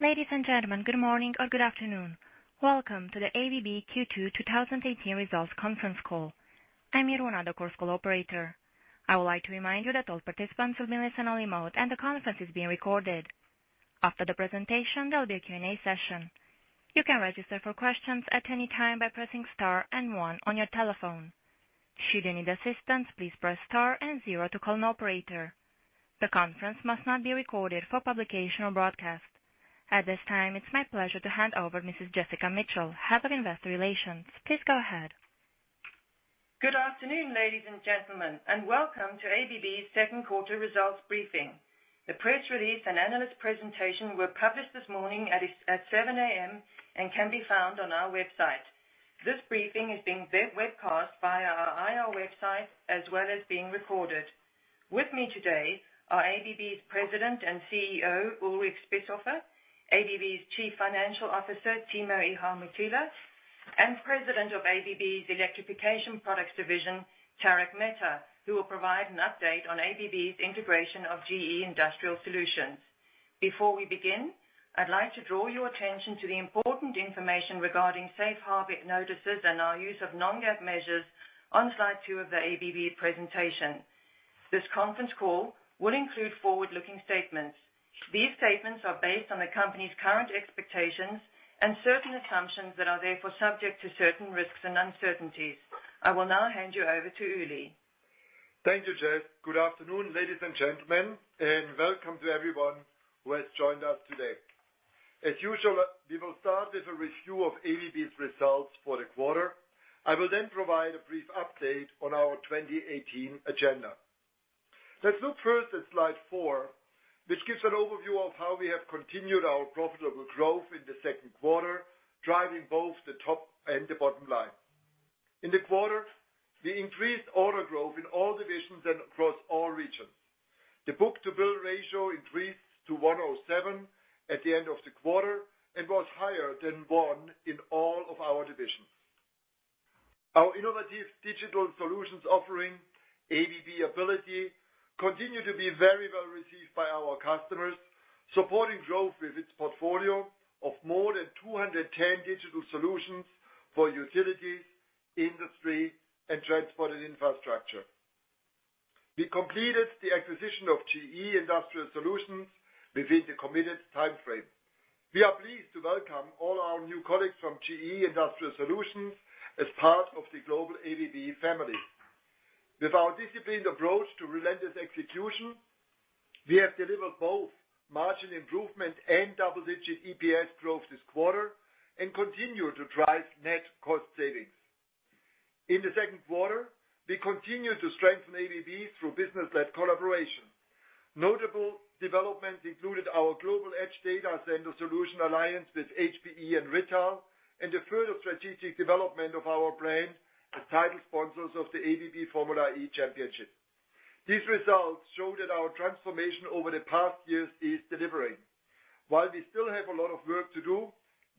Ladies and gentlemen, good morning or good afternoon. Welcome to the ABB Q2 2018 results conference call. I'm Irina, the call operator. I would like to remind you that all participants will be listen-only mode, and the conference is being recorded. After the presentation, there'll be a Q&A session. You can register for questions at any time by pressing star and one on your telephone. Should you need assistance, please press star and zero to call an operator. The conference must not be recorded for publication or broadcast. At this time, it's my pleasure to hand over Jessica Mitchell, Head of Investor Relations. Please go ahead. Good afternoon, ladies and gentlemen, and welcome to ABB's second quarter results briefing. The press release and analyst presentation were published this morning at 7:00 A.M. and can be found on our website. This briefing is being webcast via our IR website, as well as being recorded. With me today are ABB's President and CEO, Ulrich Spiesshofer, ABB's Chief Financial Officer, Timo Ihamuotila, and President of ABB's Electrification Products Division, Tarak Mehta, who will provide an update on ABB's integration of GE Industrial Solutions. Before we begin, I'd like to draw your attention to the important information regarding safe harbor notices and our use of non-GAAP measures on slide two of the ABB presentation. This conference call will include forward-looking statements. These statements are based on the company's current expectations and certain assumptions that are therefore subject to certain risks and uncertainties. I will now hand you over to Uli. Thank you, Jess. Good afternoon, ladies and gentlemen, and welcome to everyone who has joined us today. As usual, we will start with a review of ABB's results for the quarter. I will then provide a brief update on our 2018 agenda. Let's look first at slide four, which gives an overview of how we have continued our profitable growth in the second quarter, driving both the top and the bottom line. In the quarter, we increased order growth in all divisions and across all regions. The book-to-bill ratio increased to 107 at the end of the quarter and was higher than one in all of our divisions. Our innovative digital solutions offering, ABB Ability, continue to be very well received by our customers, supporting growth with its portfolio of more than 210 digital solutions for utilities, industry, and transport and infrastructure. We completed the acquisition of GE Industrial Solutions within the committed timeframe. We are pleased to welcome all our new colleagues from GE Industrial Solutions as part of the global ABB family. With our disciplined approach to relentless execution, we have delivered both margin improvement and double-digit EPS growth this quarter and continue to drive net cost savings. In the second quarter, we continued to strengthen ABB through business-led collaboration. Notable developments included our global edge data center solution alliance with HPE and Rittal, and the further strategic development of our brand as title sponsors of the ABB Formula E Championship. These results show that our transformation over the past years is delivering. While we still have a lot of work to do,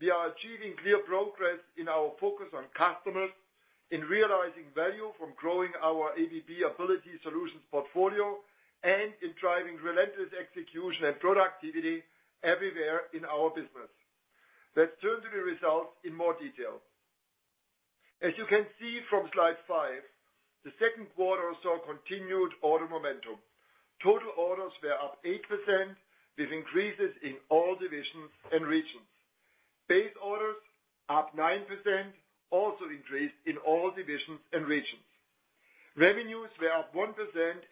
we are achieving clear progress in our focus on customers, in realizing value from growing our ABB Ability solutions portfolio, and in driving relentless execution and productivity everywhere in our business. Let's turn to the results in more detail. As you can see from slide five, the second quarter saw continued order momentum. Total orders were up 8%, with increases in all divisions and regions. Base orders up 9%, also increased in all divisions and regions. Revenues were up 1%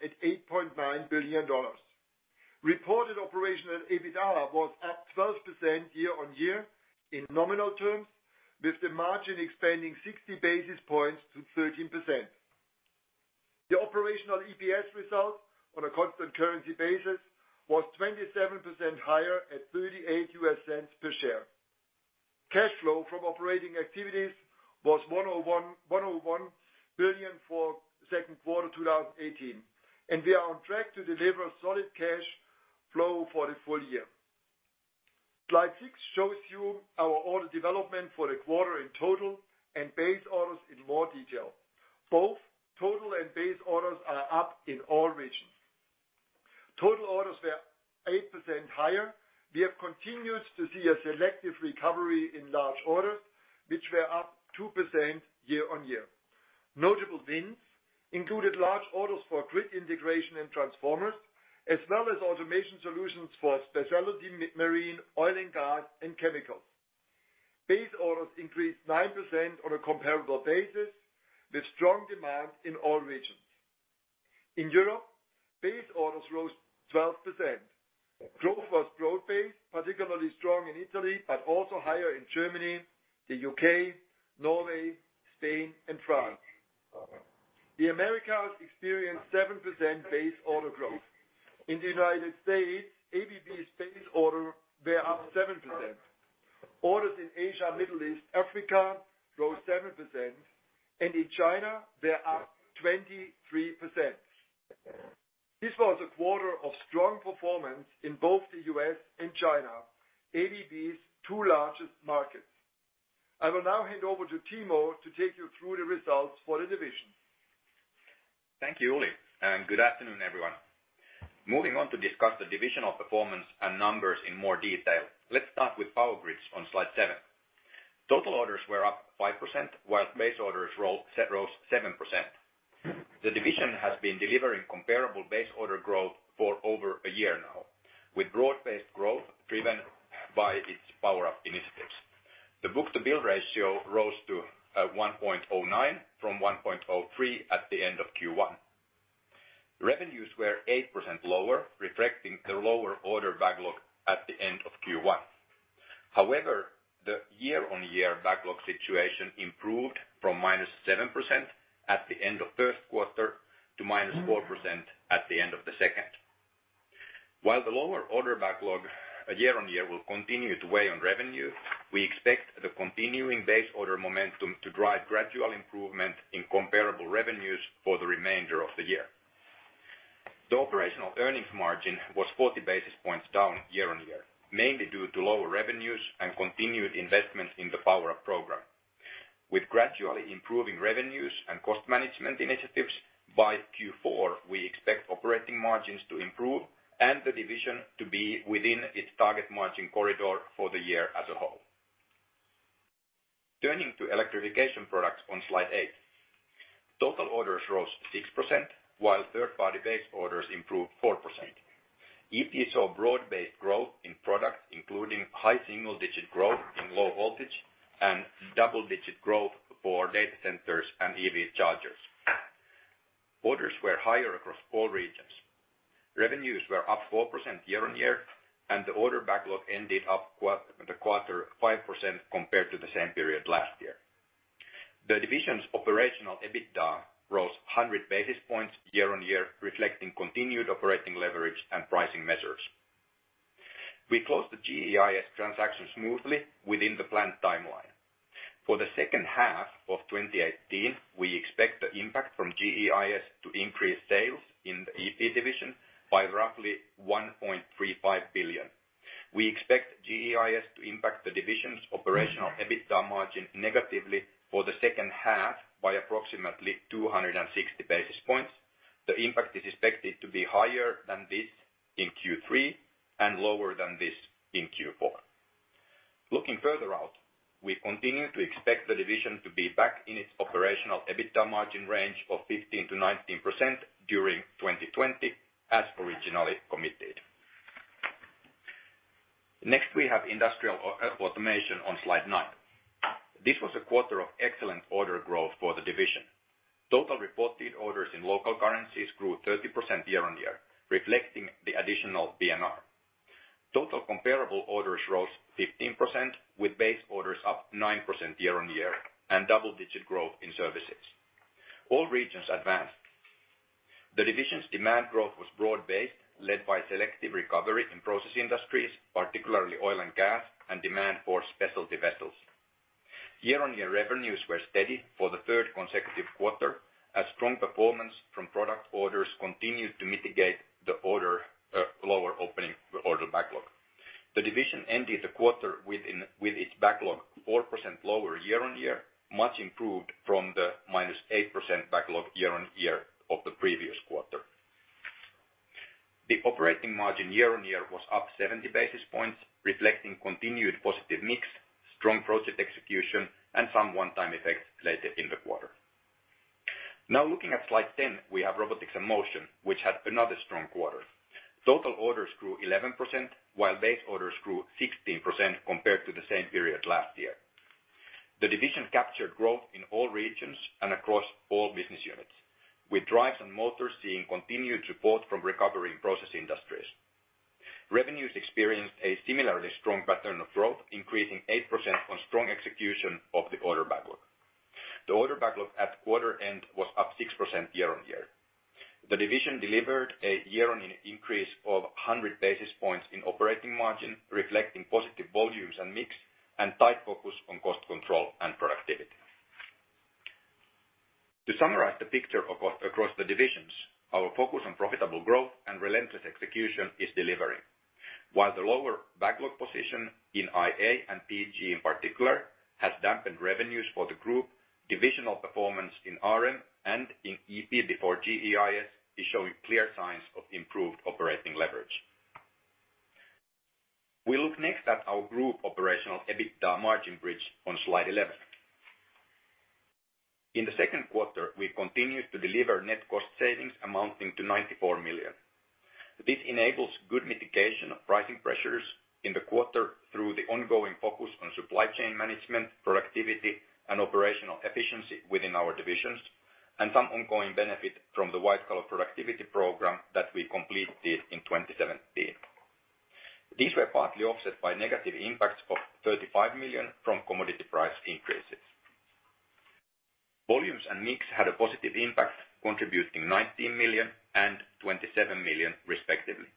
at $8.9 billion. Reported operational EBITDA was up 12% year-on-year in nominal terms, with the margin expanding 60 basis points to 13%. The operational EPS result on a constant currency basis was 27% higher at $0.38 per share. Cash flow from operating activities was $101 million for second quarter 2018. We are on track to deliver solid cash flow for the full year. Slide six shows you our order development for the quarter in total and base orders in more detail. Both total and base orders are up in all regions. Total orders were 8% higher. We have continued to see a selective recovery in large orders, which were up 2% year-on-year. Notable wins included large orders for grid integration and transformers, as well as automation solutions for specialty marine, oil and gas, and chemicals. Base orders increased 9% on a comparable basis, with strong demand in all regions. In Europe, base orders rose 12%. Growth was broad-based, particularly strong in Italy, but also higher in Germany, the U.K., Norway, Spain, and France. The Americas experienced 7% base order growth. In the U.S., ABB's base order were up 7%. Orders in Asia, Middle East, Africa rose 7%. In China, they're up 23%. This was a quarter of strong performance in both the U.S. and China, ABB's two largest markets. I will now hand over to Timo to take you through the results for the division. Thank you, Uli, and good afternoon, everyone. Moving on to discuss the divisional performance and numbers in more detail. Let's start with Power Grids on slide seven. Total orders were up 5%, while base orders rose 7%. The division has been delivering comparable base order growth for over a year now, with broad-based growth driven by its Power Up initiatives. The book-to-bill ratio rose to 1.09 from 1.03 at the end of Q1. Revenues were 8% lower, reflecting the lower order backlog at the end of Q1. However, the year-on-year backlog situation improved from -7% at the end of first quarter to -4% at the end of the second. While the lower order backlog year-on-year will continue to weigh on revenue, we expect the continuing base order momentum to drive gradual improvement in comparable revenues for the remainder of the year. The operational earnings margin was 40 basis points down year-on-year, mainly due to lower revenues and continued investments in the Power Up program. With gradually improving revenues and cost management initiatives by Q4, we expect operating margins to improve and the division to be within its target margin corridor for the year as a whole. Turning to Electrification Products on slide eight. Total orders rose 6%, while third-party base orders improved 4%. EP saw broad-based growth in products, including high single-digit growth in low voltage and double-digit growth for data centers and EV chargers. Orders were higher across all regions. Revenues were up 4% year-on-year, and the order backlog ended up the quarter 5% compared to the same period last year. The division's operational EBITDA rose 100 basis points year-on-year, reflecting continued operating leverage and pricing measures. We closed the GEIS transaction smoothly within the planned timeline. For the second half of 2018, we expect the impact from GEIS to increase sales in the EP division by roughly $1.35 billion. We expect GEIS to impact the division's operational EBITDA margin negatively for the second half by approximately 260 basis points. The impact is expected to be higher than this in Q3 and lower than this in Q4. Looking further out, we continue to expect the division to be back in its operational EBITDA margin range of 15%-19% during 2020 as originally committed. Next, we have Industrial Automation on slide nine. This was a quarter of excellent order growth for the division. Total reported orders in local currencies grew 30% year-on-year, reflecting the additional B&R. Total comparable orders rose 15%, with base orders up 9% year-on-year, and double-digit growth in services. All regions advanced. The division's demand growth was broad-based, led by selective recovery in process industries, particularly oil and gas, and demand for specialty vessels. Year-on-year revenues were steady for the third consecutive quarter, as strong performance from product orders continued to mitigate the lower opening order backlog. The division ended the quarter with its backlog 4% lower year-on-year, much improved from the -8% backlog year-on-year of the previous quarter. The operating margin year-on-year was up 70 basis points, reflecting continued positive mix, strong project execution, and some one-time effects later in the quarter. Now looking at slide 10, we have Robotics and Motion, which had another strong quarter. Total orders grew 11%, while base orders grew 16% compared to the same period last year. The division captured growth in all regions and across all business units, with drives and motors seeing continued support from recovery in process industries. Revenues experienced a similarly strong pattern of growth, increasing 8% on strong execution of the order backlog. The order backlog at quarter end was up 6% year-on-year. The division delivered a year-on-year increase of 100 basis points in operating margin, reflecting positive volumes and mix, and tight focus on cost control and productivity. To summarize the picture across the divisions, our focus on profitable growth and relentless execution is delivering. While the lower backlog position in IA and PG in particular has dampened revenues for the group, divisional performance in RM and in EP before GEIS is showing clear signs of improved operating leverage. We look next at our group operational EBITDA margin bridge on slide 11. In the second quarter, we continued to deliver net cost savings amounting to $94 million. This enables good mitigation of pricing pressures in the quarter through the ongoing focus on supply chain management, productivity, and operational efficiency within our divisions, and some ongoing benefit from the White Collar Productivity program that we completed in 2017. These were partly offset by negative impacts of $35 million from commodity price increases. Volumes and mix had a positive impact, contributing $19 million and $27 million respectively.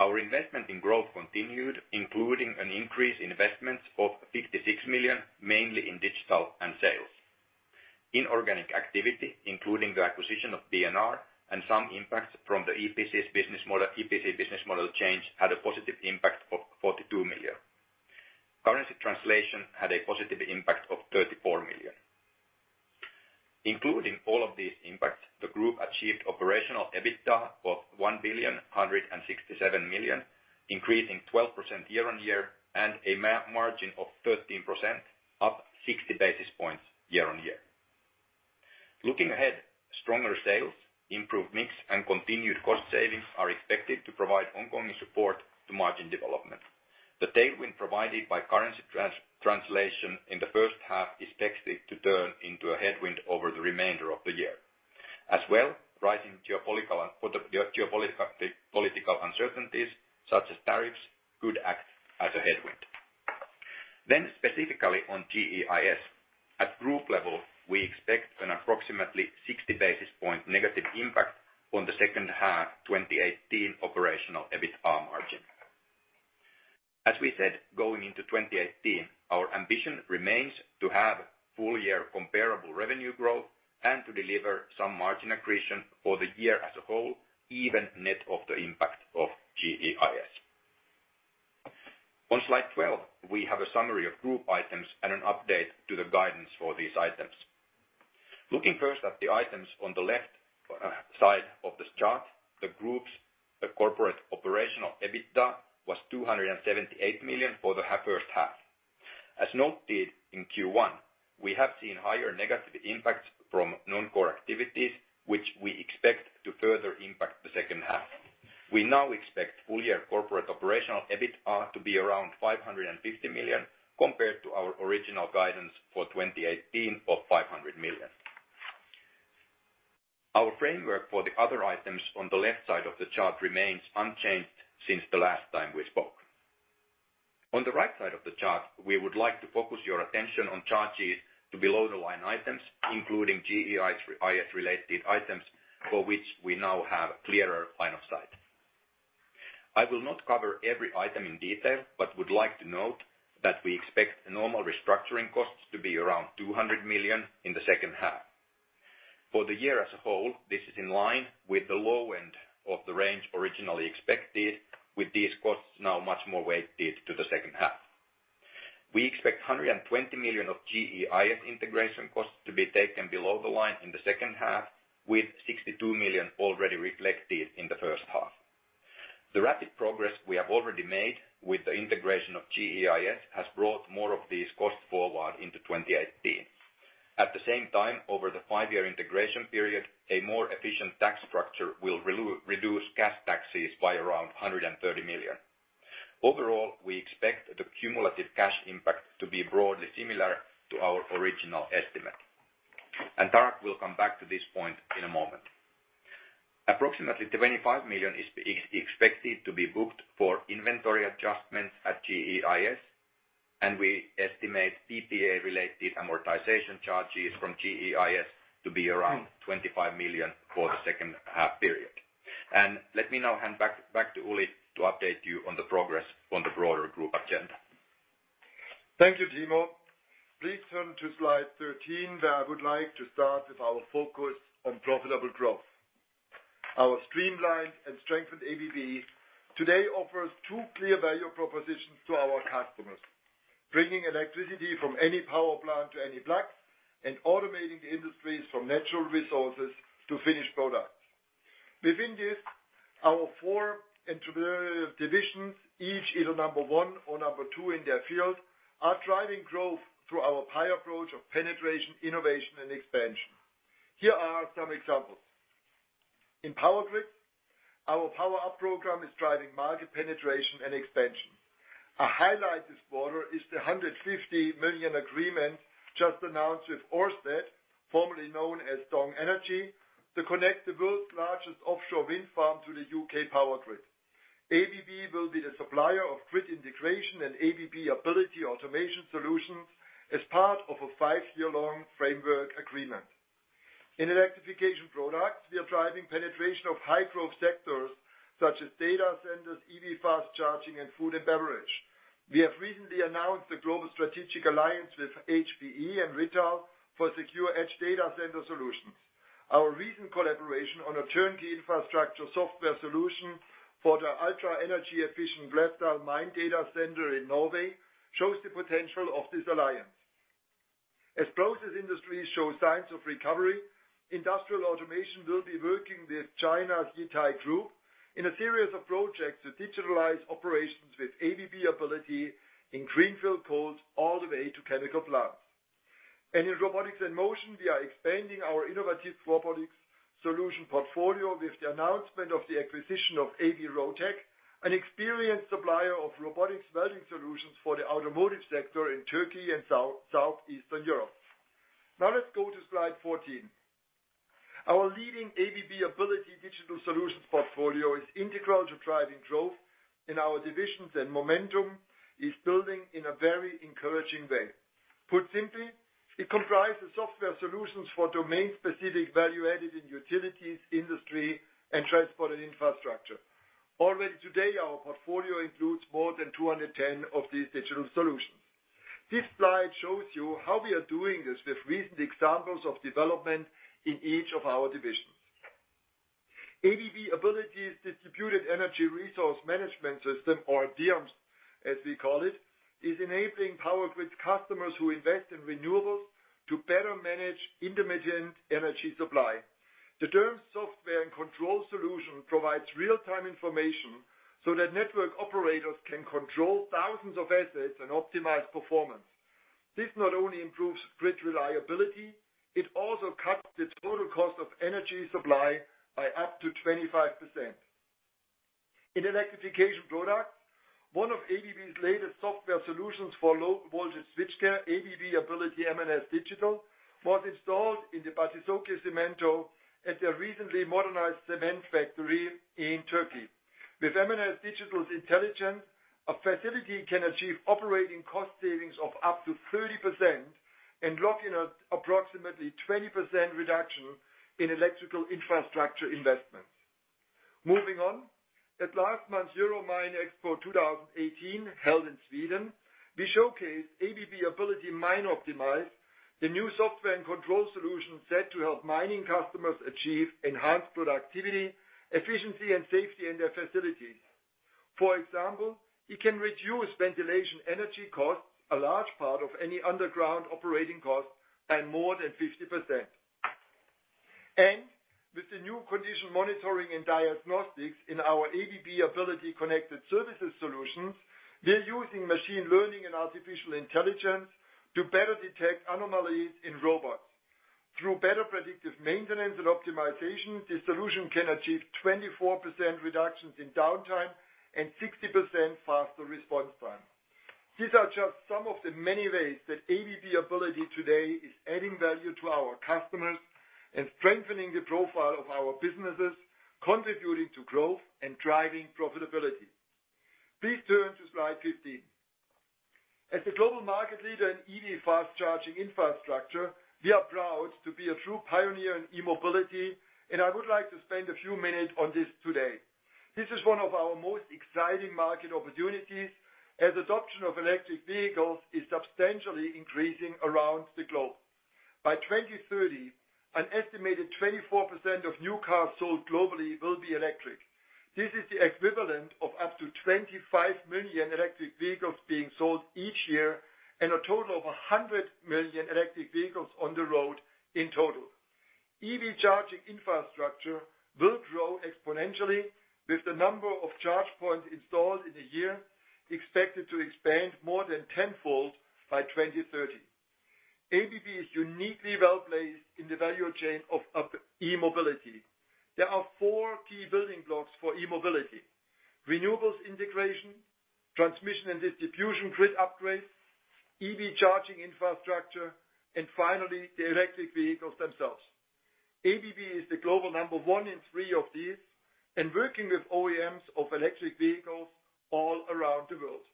Our investment in growth continued, including an increase in investments of $56 million, mainly in digital and sales. Inorganic activity, including the acquisition of B&R and some impacts from the EPC business model change, had a positive impact of $42 million. Currency translation had a positive impact of $34 million. Including all of these impacts, the group achieved operational EBITDA of $1,167,000,000, increasing 12% year-on-year and a margin of 13%, up 60 basis points year-on-year. Looking ahead, stronger sales, improved mix, and continued cost savings are expected to provide ongoing support to margin development. The tailwind provided by currency translation in the first half is expected to turn into a headwind over the remainder of the year. As well, rising geopolitical uncertainties such as tariffs could act as a headwind. Specifically on GEIS. At group level, we expect an approximately 60 basis point negative impact on the second half 2018 operational EBITDA margin. As we said, going into 2018, our ambition remains to have full year comparable revenue growth and to deliver some margin accretion for the year as a whole, even net of the impact of GEIS. On slide 12, we have a summary of group items and an update to the guidance for these items. Looking first at the items on the left side of this chart, the group's corporate operational EBITDA was $278 million for the first half. As noted in Q1, we have seen higher negative impacts from non-core activities, which we expect to further impact the second half. We now expect full year corporate operational EBITDA to be around $550 million compared to our original guidance for 2018 of $500 million. Our framework for the other items on the left side of the chart remains unchanged since the last time we spoke. On the right side of the chart, we would like to focus your attention on charges to below the line items, including GEIS-related items, for which we now have a clearer line of sight. I will not cover every item in detail, I would like to note that we expect normal restructuring costs to be around $200 million in the second half. For the year as a whole, this is in line with the low end of the range originally expected, with these costs now much more weighted to the second half. We expect $120 million of GEIS integration costs to be taken below the line in the second half, with $62 million already reflected in the first half. The rapid progress we have already made with the integration of GEIS has brought more of these costs forward into 2018. At the same time, over the five-year integration period, a more efficient tax structure will reduce cash taxes by around $130 million. Overall, we expect the cumulative cash impact to be broadly similar to our original estimate. Tarak will come back to this point in a moment. Approximately $25 million is expected to be booked for inventory adjustments at GEIS, we estimate PPA-related amortization charges from GEIS to be around $25 million for the second half period. Let me now hand back to Uli to update you on the progress on the broader group agenda. Thank you, Timo. Please turn to slide 13. I would like to start with our focus on profitable growth. Our streamlined and strengthened ABB today offers two clear value propositions to our customers, bringing electricity from any power plant to any plug, automating the industries from natural resources to finished products. Within this, our four divisions, each either number 1 or number 2 in their field, are driving growth through our PIE approach of penetration, innovation, and expansion. Here are some examples. In Power Grids, our Power Up program is driving market penetration and expansion. A highlight this quarter is the $150 million agreement just announced with Ørsted, formerly known as DONG Energy, to connect the world's largest offshore wind farm to the U.K. power grid. ABB will be the supplier of grid integration and ABB Ability automation solutions as part of a five-year-long framework agreement. In Electrification Products, we are driving penetration of high-growth sectors such as data centers, EV fast charging, and food and beverage. We have recently announced a global strategic alliance with HPE and Rittal for secure edge data center solutions. Our recent collaboration on a turnkey infrastructure software solution for the ultra energy-efficient Lefdal mine data center in Norway shows the potential of this alliance. As process industries show signs of recovery, Industrial Automation will be working with China's Yantai Group in a series of projects to digitalize operations with ABB Ability in greenfield coals all the way to chemical plants. In Robotics and Motion, we are expanding our innovative robotic solution portfolio with the announcement of the acquisition of AB Rotech, an experienced supplier of robotic welding solutions for the automotive sector in Turkey and Southeastern Europe. Now let's go to slide 14. Our leading ABB Ability digital solutions portfolio is integral to driving growth in our divisions. Momentum is building in a very encouraging way. Put simply, it comprises software solutions for domain-specific value added in utilities, industry, and transport and infrastructure. Already today, our portfolio includes more than 210 of these digital solutions. This slide shows you how we are doing this with recent examples of development in each of our divisions. ABB Ability's distributed energy resource management system, or DERMS, as we call it, is enabling Power Grids customers who invest in renewables to better manage intermittent energy supply. The DERMS software and control solution provides real-time information so that network operators can control thousands of assets and optimize performance. This not only improves grid reliability, it also cuts the total cost of energy supply by up to 25%. In Electrification Products, one of ABB's latest software solutions for low-voltage switchgear, ABB Ability M&S Digital, was installed in the Başkent Çimento at their recently modernized cement factory in Turkey. With M&S Digital's intelligence, a facility can achieve operating cost savings of up to 30% and lock in approximately 20% reduction in electrical infrastructure investments. Moving on. At last month's Euro Mine Expo 2018 held in Sweden, we showcased ABB Ability MineOptimize, the new software and control solution set to help mining customers achieve enhanced productivity, efficiency, and safety in their facilities. For example, it can reduce ventilation energy costs, a large part of any underground operating cost, by more than 50%. With the new condition monitoring and diagnostics in our ABB Ability Connected Services solutions, we're using machine learning and artificial intelligence to better detect anomalies in robots. Through better predictive maintenance and optimization, this solution can achieve 24% reductions in downtime and 60% faster response time. These are just some of the many ways that ABB Ability today is adding value to our customers and strengthening the profile of our businesses, contributing to growth and driving profitability. Please turn to slide 15. As the global market leader in EV fast charging infrastructure, we are proud to be a true pioneer in e-mobility. I would like to spend a few minutes on this today. This is one of our most exciting market opportunities, as adoption of electric vehicles is substantially increasing around the globe. By 2030, an estimated 24% of new cars sold globally will be electric. This is the equivalent of up to 25 million electric vehicles being sold each year and a total of 100 million electric vehicles on the road in total. EV charging infrastructure will grow exponentially with the number of charge points installed in a year expected to expand more than tenfold by 2030. ABB is uniquely well-placed in the value chain of e-mobility. There are four key building blocks for e-mobility: renewables integration, transmission and distribution grid upgrades, EV charging infrastructure, and finally, the electric vehicles themselves. ABB is the global number one in three of these and working with OEMs of electric vehicles all around the world.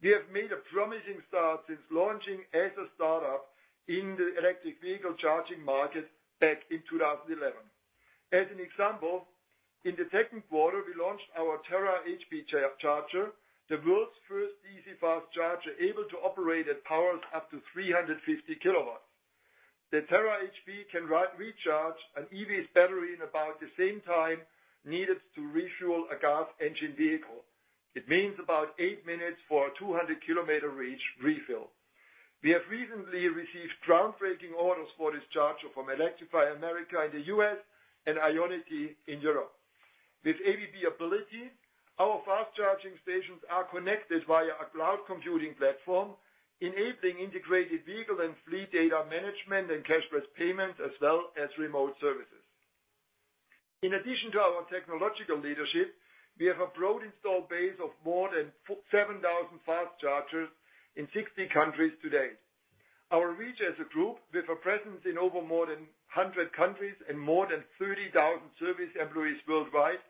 We have made a promising start since launching as a startup in the electric vehicle charging market back in 2011. As an example, in the second quarter, we launched our Terra HP charger, the world's first DC fast charger able to operate at powers up to 350 kilowatts. The Terra HP can recharge an EV's battery in about the same time needed to refuel a gas engine vehicle. It means about 8 minutes for a 200-kilometer range refill. We have recently received groundbreaking orders for this charger from Electrify America in the U.S. and IONITY in Europe. With ABB Ability, our fast charging stations are connected via a cloud computing platform, enabling integrated vehicle and fleet data management and cashless payment, as well as remote services. In addition to our technological leadership, we have a broad installed base of more than 7,000 fast chargers in 60 countries today. Our reach as a group, with a presence in over more than 100 countries and more than 30,000 service employees worldwide,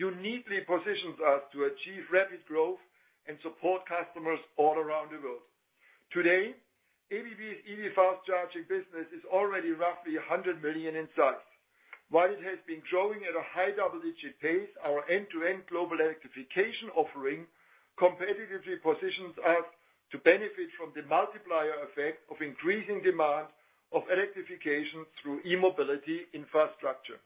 uniquely positions us to achieve rapid growth and support customers all around the world. Today, ABB's EV fast charging business is already roughly $100 million in size. While it has been growing at a high double-digit pace, our end-to-end global electrification offering competitively positions us to benefit from the multiplier effect of increasing demand of electrification through e-mobility infrastructure.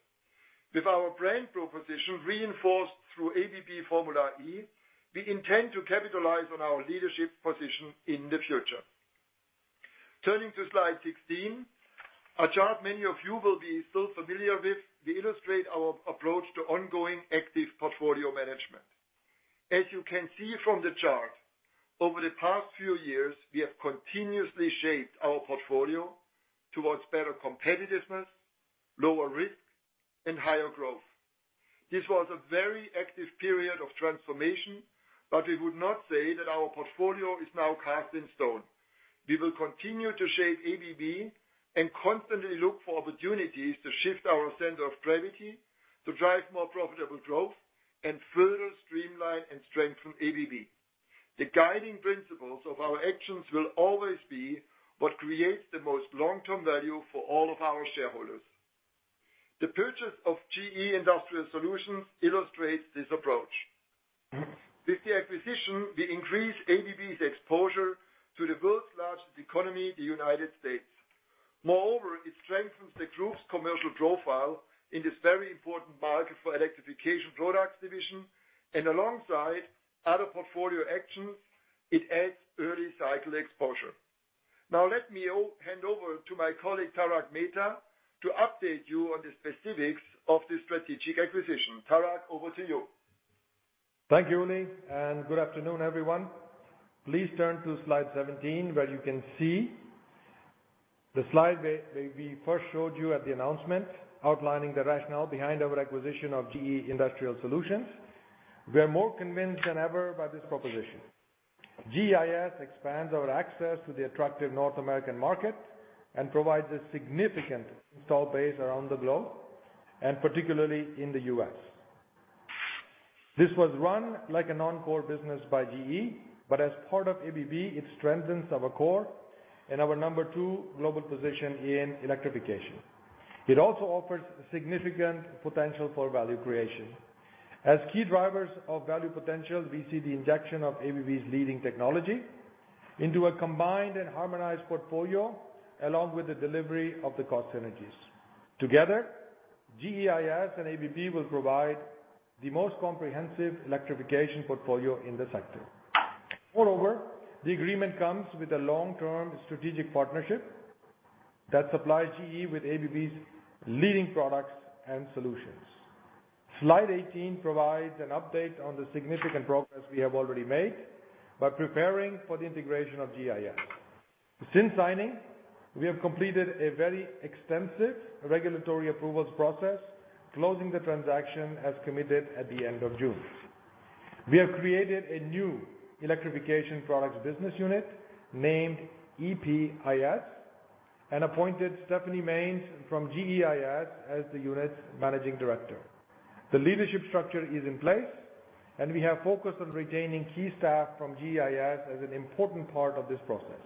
With our brand proposition reinforced through ABB Formula E, we intend to capitalize on our leadership position in the future. Turning to slide 16, a chart many of you will be still familiar with, we illustrate our approach to ongoing active portfolio management. As you can see from the chart, over the past few years, we have continuously shaped our portfolio towards better competitiveness, lower risk, and higher growth. This was a very active period of transformation, but we would not say that our portfolio is now cast in stone. We will continue to shape ABB and constantly look for opportunities to shift our center of gravity to drive more profitable growth. Further streamline and strengthen ABB. The guiding principles of our actions will always be what creates the most long-term value for all of our shareholders. The purchase of GE Industrial Solutions illustrates this approach. With the acquisition, we increase ABB's exposure to the world's largest economy, the United States. Moreover, it strengthens the group's commercial profile in this very important market for Electrification Products division, and alongside other portfolio actions, it adds early cycle exposure. Let me hand over to my colleague, Tarak Mehta, to update you on the specifics of this strategic acquisition. Tarak, over to you. Thank you, Ulrich, and good afternoon, everyone. Please turn to slide 17, where you can see the slide that we first showed you at the announcement, outlining the rationale behind our acquisition of GE Industrial Solutions. We are more convinced than ever about this proposition. GEIS expands our access to the attractive North American market and provides a significant install base around the globe, and particularly in the U.S. This was run like a non-core business by GE, but as part of ABB, it strengthens our core and our number two global position in electrification. It also offers significant potential for value creation. As key drivers of value potential, we see the injection of ABB's leading technology into a combined and harmonized portfolio, along with the delivery of the cost synergies. Together, GEIS and ABB will provide the most comprehensive electrification portfolio in the sector. Moreover, the agreement comes with a long-term strategic partnership that supplies GE with ABB's leading products and solutions. Slide 18 provides an update on the significant progress we have already made by preparing for the integration of GEIS. Since signing, we have completed a very extensive regulatory approvals process, closing the transaction as committed at the end of June. We have created a new Electrification Products business unit named EPIS and appointed Stephanie Mains from GEIS as the unit's managing director. The leadership structure is in place, and we have focused on retaining key staff from GEIS as an important part of this process.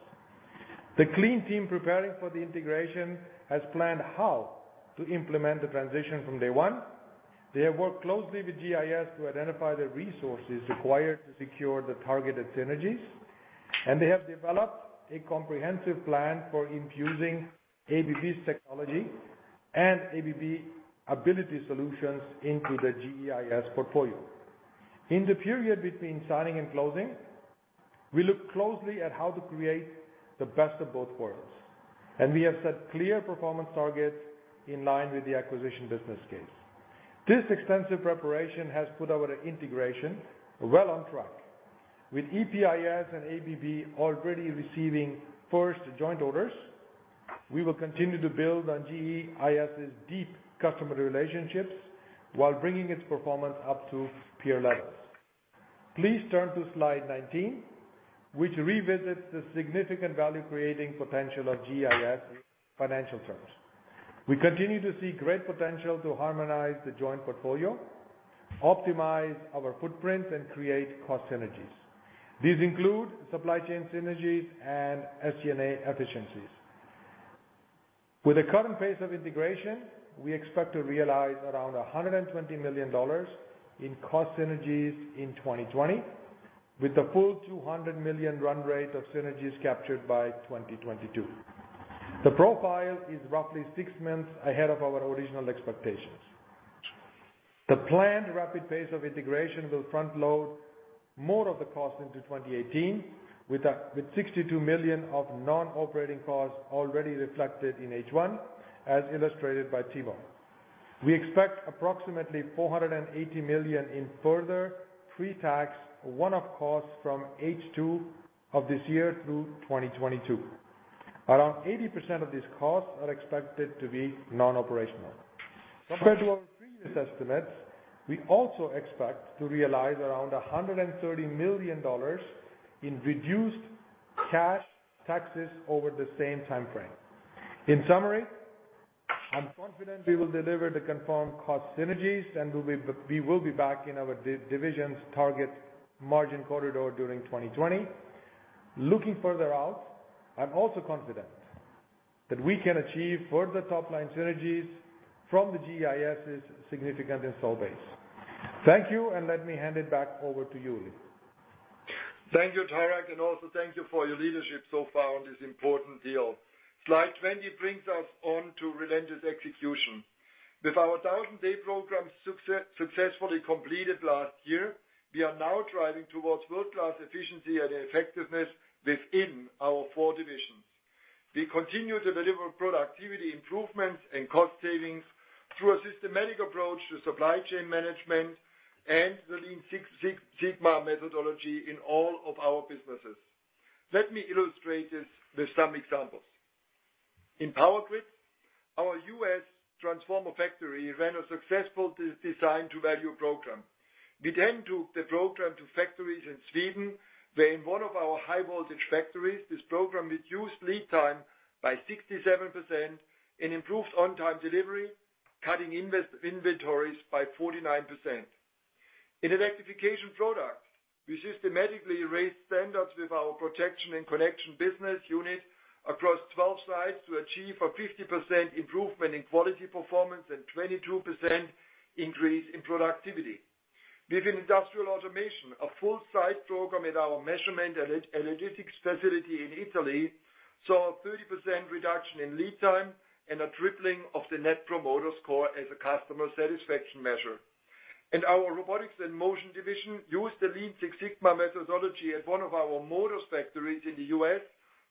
The clean team preparing for the integration has planned how to implement the transition from day one. They have worked closely with GEIS to identify the resources required to secure the targeted synergies. They have developed a comprehensive plan for infusing ABB's technology and ABB Ability solutions into the GEIS portfolio. In the period between signing and closing, we look closely at how to create the best of both worlds. We have set clear performance targets in line with the acquisition business case. This extensive preparation has put our integration well on track. With EPIS and ABB already receiving first joint orders, we will continue to build on GEIS's deep customer relationships while bringing its performance up to peer levels. Please turn to slide 19, which revisits the significant value-creating potential of GEIS in financial terms. We continue to see great potential to harmonize the joint portfolio, optimize our footprint, and create cost synergies. These include supply chain synergies and SG&A efficiencies. With the current pace of integration, we expect to realize around $120 million in cost synergies in 2020, with the full $200 million run rate of synergies captured by 2022. The profile is roughly six months ahead of our original expectations. The planned rapid pace of integration will front-load more of the costs into 2018, with $62 million of non-operating costs already reflected in H1, as illustrated by Timo. We expect approximately $480 million in further pre-tax one-off costs from H2 of this year through 2022. Around 80% of these costs are expected to be non-operational. Compared to our previous estimates, we also expect to realize around $130 million in reduced cash taxes over the same time frame. In summary, I'm confident we will deliver the confirmed cost synergies. We will be back in our division's target margin corridor during 2020. Looking further out, I'm also confident that we can achieve further top-line synergies from the GEIS's significant install base. Thank you. Let me hand it back over to you, Ulrich. Thank you, Tarak, and also thank you for your leadership so far on this important deal. Slide 20 brings us on to relentless execution. With our 1,000-day programs successfully completed last year, we are now driving towards world-class efficiency and effectiveness within our four divisions. We continue to deliver productivity improvements and cost savings through a systematic approach to supply chain management and the Lean Six Sigma methodology in all of our businesses. Let me illustrate this with some examples. In Power Grids, our U.S. transformer factory ran a successful design to value program. We took the program to factories in Sweden, where in one of our high voltage factories, this program reduced lead time by 67% and improved on-time delivery, cutting inventories by 49%. In the Electrification Products, we systematically raised standards with our protection and connection business unit across 12 sites to achieve a 50% improvement in quality performance and 22% increase in productivity. Within Industrial Automation, a full site program at our Measurement & Analytics facility in Italy, saw a 30% reduction in lead time and a tripling of the Net Promoter Score as a customer satisfaction measure. Our Robotics and Motion division used the Lean Six Sigma methodology at one of our motors factories in the U.S.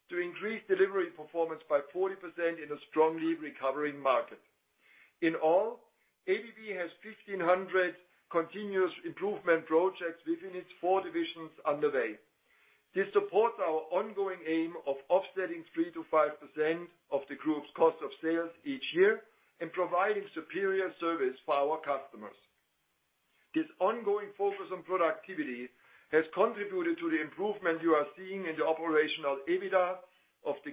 to increase delivery performance by 40% in a strongly recovering market. In all, ABB has 1,500 continuous improvement projects within its four divisions underway. This supports our ongoing aim of offsetting 3%-5% of the group's cost of sales each year and providing superior service for our customers. This ongoing focus on productivity has contributed to the improvement you are seeing in the Operational EBITDA of the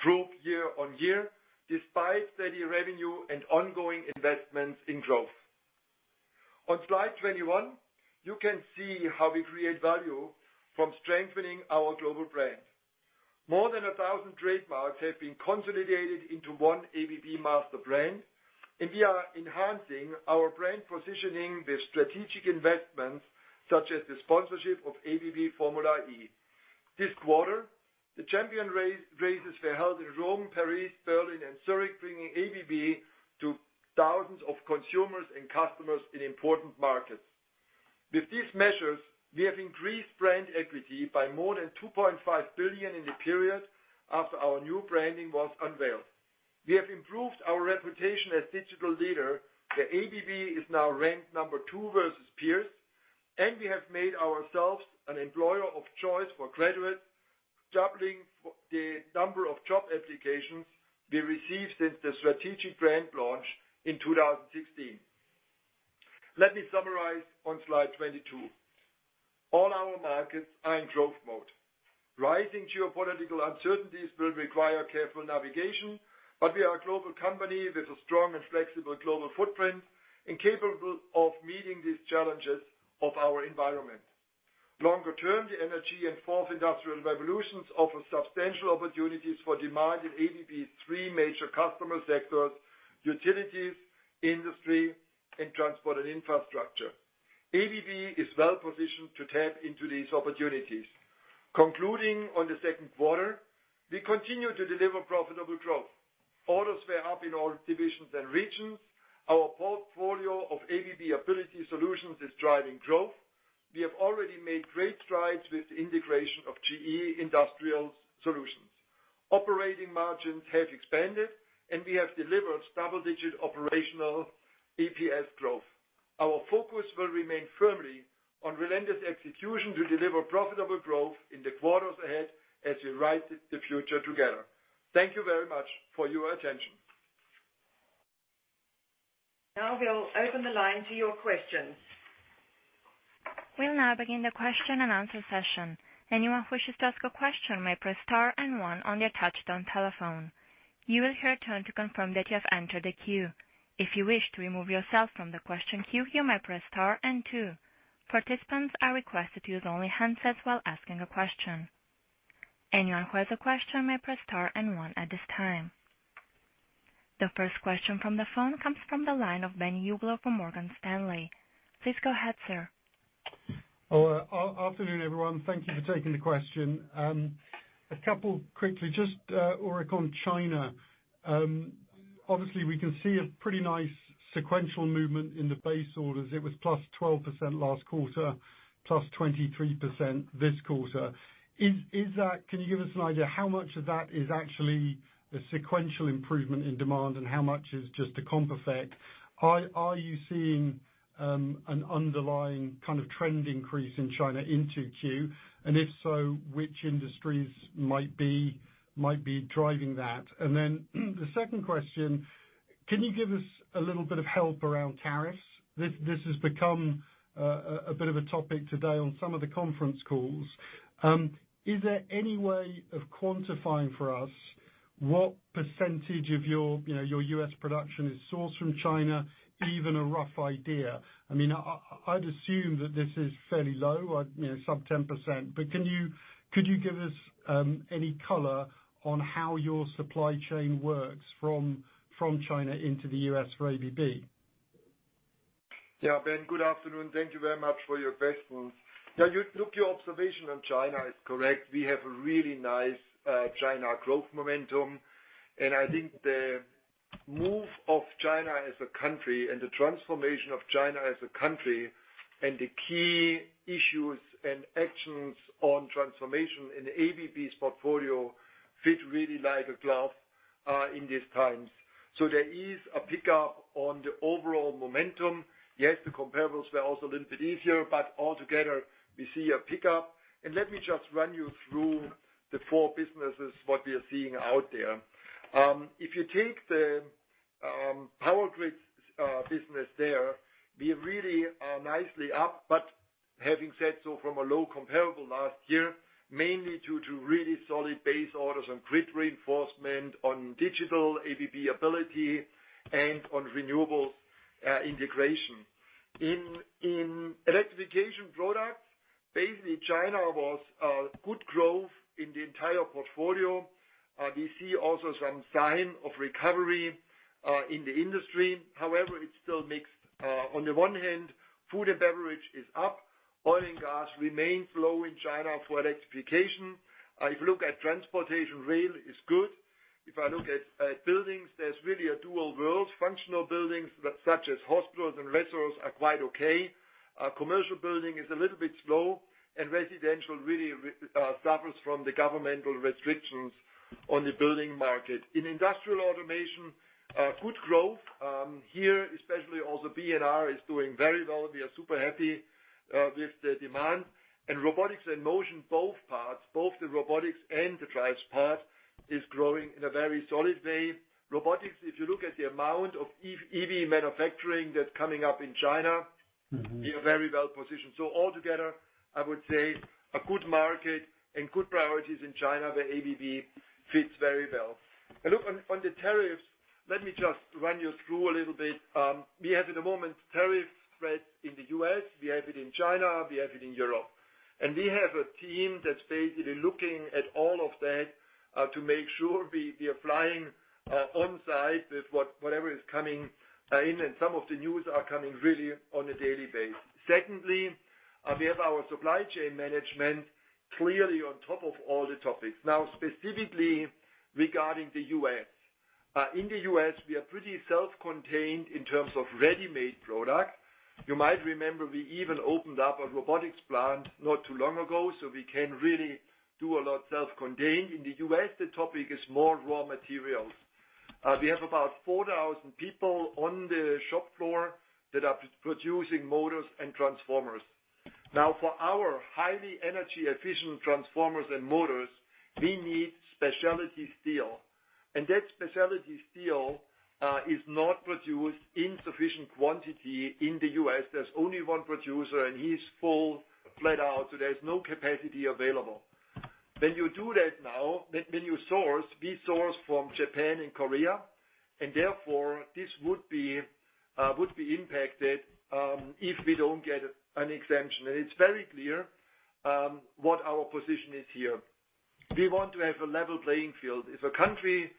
group year-over-year, despite steady revenue and ongoing investments in growth. On slide 21, you can see how we create value from strengthening our global brand. More than 1,000 trademarks have been consolidated into one ABB master brand, and we are enhancing our brand positioning with strategic investments such as the sponsorship of ABB Formula E. This quarter, the champion races were held in Rome, Paris, Berlin and Zurich, bringing ABB to thousands of consumers and customers in important markets. With these measures, we have increased brand equity by more than $2.5 billion in the period after our new branding was unveiled. We have improved our reputation as digital leader, ABB is now ranked number 2 versus peers, and we have made ourselves an employer of choice for graduates, doubling the number of job applications we received since the strategic brand launch in 2016. Let me summarize on slide 22. All our markets are in growth mode. Rising geopolitical uncertainties will require careful navigation, we are a global company with a strong and flexible global footprint and capable of meeting these challenges of our environment. Longer-term, the energy and fourth industrial revolutions offer substantial opportunities for demand in ABB's three major customer sectors, utilities, industry, and transport and infrastructure. ABB is well-positioned to tap into these opportunities. Concluding on the second quarter, we continue to deliver profitable growth. Orders were up in all divisions and regions. Our portfolio of ABB Ability solutions is driving growth. We have already made great strides with the integration of GE Industrial Solutions. Operating margins have expanded, we have delivered double-digit operational EPS growth. Our focus will remain firmly on relentless execution to deliver profitable growth in the quarters ahead as we write the future together. Thank you very much for your attention. We'll open the line to your questions. We'll now begin the question and answer session. Anyone who wishes to ask a question may press star and one on their touchtone telephone. You will hear a tone to confirm that you have entered the queue. If you wish to remove yourself from the question queue, you may press star and two. Participants are requested to use only handsets while asking a question. Anyone who has a question may press star and one at this time. The first question from the phone comes from the line of Ben Uglow from Morgan Stanley. Please go ahead, sir. Hello. Afternoon, everyone. Thank you for taking the question. A couple quickly. Just, Ulrich, on China. We can see a pretty nice sequential movement in the base orders. It was +12% last quarter, +23% this quarter. Can you give us an idea how much of that is actually the sequential improvement in demand, and how much is just a comp effect? Are you seeing an underlying kind of trend increase in China into Q? If so, which industries might be driving that? The second question, can you give us a little bit of help around tariffs? This has become a bit of a topic today on some of the conference calls. Is there any way of quantifying for us what percentage of your U.S. production is sourced from China? Even a rough idea. I'd assume that this is fairly low, sub 10%, but could you give us any color on how your supply chain works from China into the U.S. for ABB? Ben, good afternoon. Thank you very much for your questions. Look, your observation on China is correct. We have a really nice China growth momentum, and I think the move of China as a country and the transformation of China as a country and the key issues and actions on transformation in ABB's portfolio fit really like a glove in these times. There is a pickup on the overall momentum. The comparables were also a little bit easier, but altogether, we see a pickup. Let me just run you through the four businesses, what we are seeing out there. If you take the Power Grids business there, we really are nicely up Having said so from a low comparable last year, mainly due to really solid base orders on grid reinforcement, on digital ABB Ability, and on renewables integration. In Electrification Products, basically China was good growth in the entire portfolio. We see also some sign of recovery in the industry. However, it's still mixed. On the one hand, food and beverage is up. Oil and gas remain slow in China for electrification. If you look at transportation, rail is good. If I look at buildings, there's really a dual world. Functional buildings such as hospitals and restaurants are quite okay. Commercial building is a little bit slow, and residential really suffers from the governmental restrictions on the building market. In Industrial Automation, good growth. Here, especially also B&R is doing very well. We are super happy with the demand. Robotics and Motion, both parts, both the robotics and the drives part, is growing in a very solid way. Robotics, if you look at the amount of EV manufacturing that's coming up in China. we are very well positioned. Altogether, I would say a good market and good priorities in China where ABB fits very well. Look, on the tariffs, let me just run you through a little bit. We have, at the moment, tariff threats in the U.S., we have it in China, we have it in Europe. We have a team that's basically looking at all of that to make sure we are applying on-site with whatever is coming in, and some of the news are coming really on a daily basis. Secondly, we have our supply chain management clearly on top of all the topics. Specifically regarding the U.S. In the U.S., we are pretty self-contained in terms of ready-made product. You might remember we even opened up a robotics plant not too long ago, so we can really do a lot self-contained. In the U.S., the topic is more raw materials. We have about 4,000 people on the shop floor that are producing motors and transformers. Now, for our highly energy-efficient transformers and motors, we need specialty steel, and that specialty steel is not produced in sufficient quantity in the U.S. There's only one producer, and he's full, flat out, so there's no capacity available. When you do that now, when you source, we source from Japan and Korea, and therefore, this would be impacted if we don't get an exemption. It's very clear what our position is here. We want to have a level playing field. If a country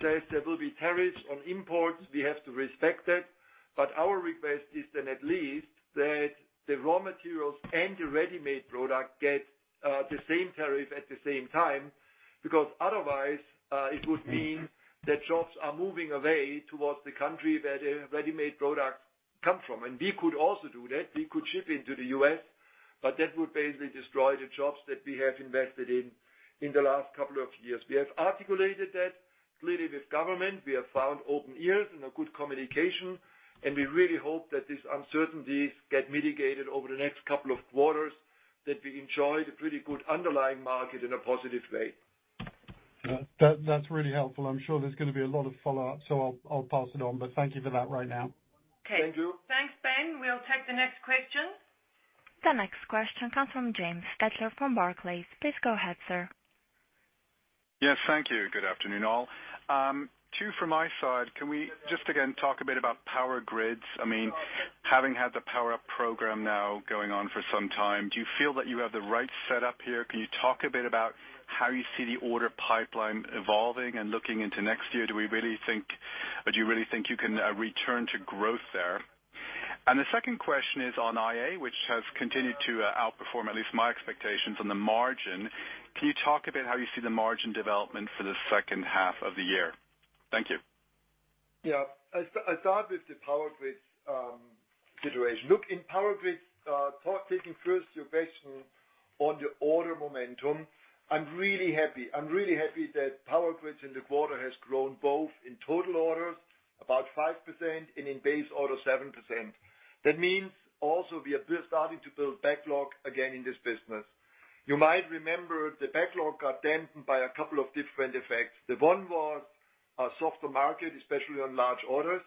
says there will be tariffs on imports, we have to respect that. Our request is then at least that the raw materials and the ready-made product get the same tariff at the same time, because otherwise it would mean that jobs are moving away towards the country that the ready-made product come from. We could also do that. We could ship into the U.S., but that would basically destroy the jobs that we have invested in in the last couple of years. We have articulated that clearly with government. We have found open ears and a good communication, and we really hope that these uncertainties get mitigated over the next couple of quarters, that we enjoy the pretty good underlying market in a positive way. That's really helpful. I'm sure there's going to be a lot of follow-up. I'll pass it on. Thank you for that right now. Thank you. Okay. Thanks, Ben. We'll take the next question. The next question comes from James Stettler from Barclays. Please go ahead, sir. Yes, thank you. Good afternoon, all. Two from my side. Can we just again talk a bit about Power Grids? Having had the Power Up program now going on for some time, do you feel that you have the right setup here? Can you talk a bit about how you see the order pipeline evolving and looking into next year? Do you really think you can return to growth there? The second question is on IA, which has continued to outperform at least my expectations on the margin. Can you talk a bit how you see the margin development for the second half of the year? Thank you. Yeah. I'll start with the Power Grids situation. Look, in Power Grids, taking first your question on the order momentum, I'm really happy. I'm really happy that Power Grids in the quarter has grown both in total orders, about 5%, and in base orders, 7%. That means also we are starting to build backlog again in this business. You might remember the backlog got dampened by a couple of different effects. One was a softer market, especially on large orders.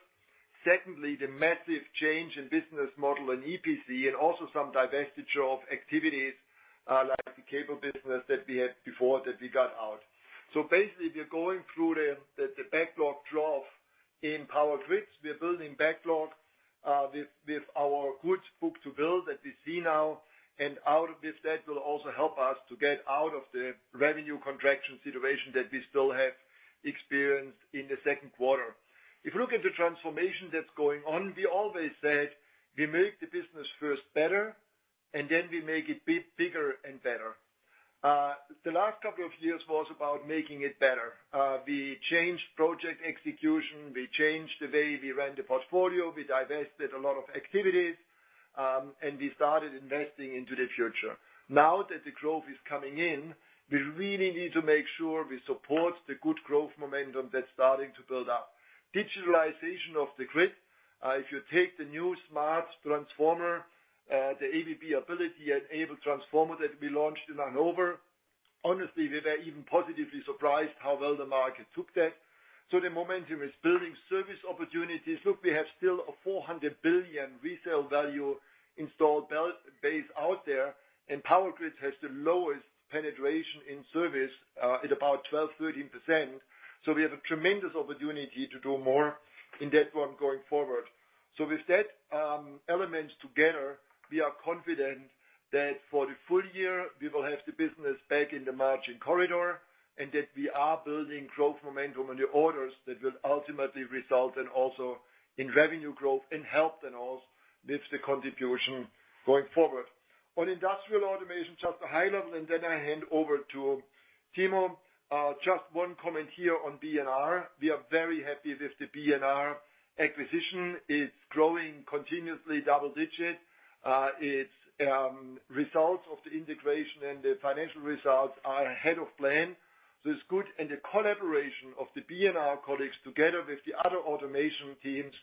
Secondly, the massive change in business model in EPC and also some divestiture of activities like the cable business that we had before that we got out. Basically, we are going through the backlog trough in Power Grids. We're building backlog with our good book-to-bill that we see now. Out of this, that will also help us to get out of the revenue contraction situation that we still have experienced in the second quarter. If you look at the transformation that is going on, we always said we make the business first better, and then we make it bigger and better. The last couple of years was about making it better. We changed project execution. We changed the way we ran the portfolio. We divested a lot of activities, and we started investing into the future. Now that the growth is coming in, we really need to make sure we support the good growth momentum that is starting to build up. Digitalization of the grid, if you take the new smart transformer, the ABB Ability enabled transformer that we launched in Hannover. Honestly, we were even positively surprised how well the market took that. The momentum is building service opportunities. Look, we have still a 400 billion resale value installed base out there, and Power Grids has the lowest penetration in service at about 12%-13%. We have a tremendous opportunity to do more in that one going forward. With that element together, we are confident that for the full year, we will have the business back in the margin corridor and that we are building growth momentum on the orders that will ultimately result in also in revenue growth and help then also with the contribution going forward. On Industrial Automation, just a high level, and then I hand over to Timo. Just one comment here on B&R. We are very happy with the B&R acquisition. It is growing continuously double-digit. Its results of the integration and the financial results are ahead of plan. It is good, and the collaboration of the B&R colleagues together with the other automation teams,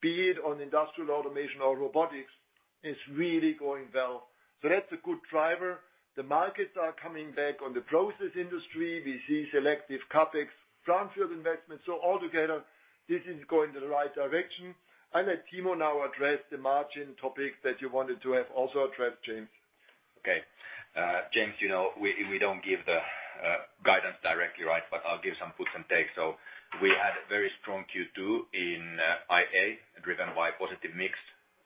be it on Industrial Automation or robotics, is really going well. That is a good driver. The markets are coming back on the process industry. We see selective CapEx, Brownfield investments. All together, this is going the right direction. I let Timo now address the margin topic that you wanted to have also addressed, James. Okay. James, we don't give the guidance directly, but I will give some puts and takes. We had a very strong Q2 in IA, driven by positive mix,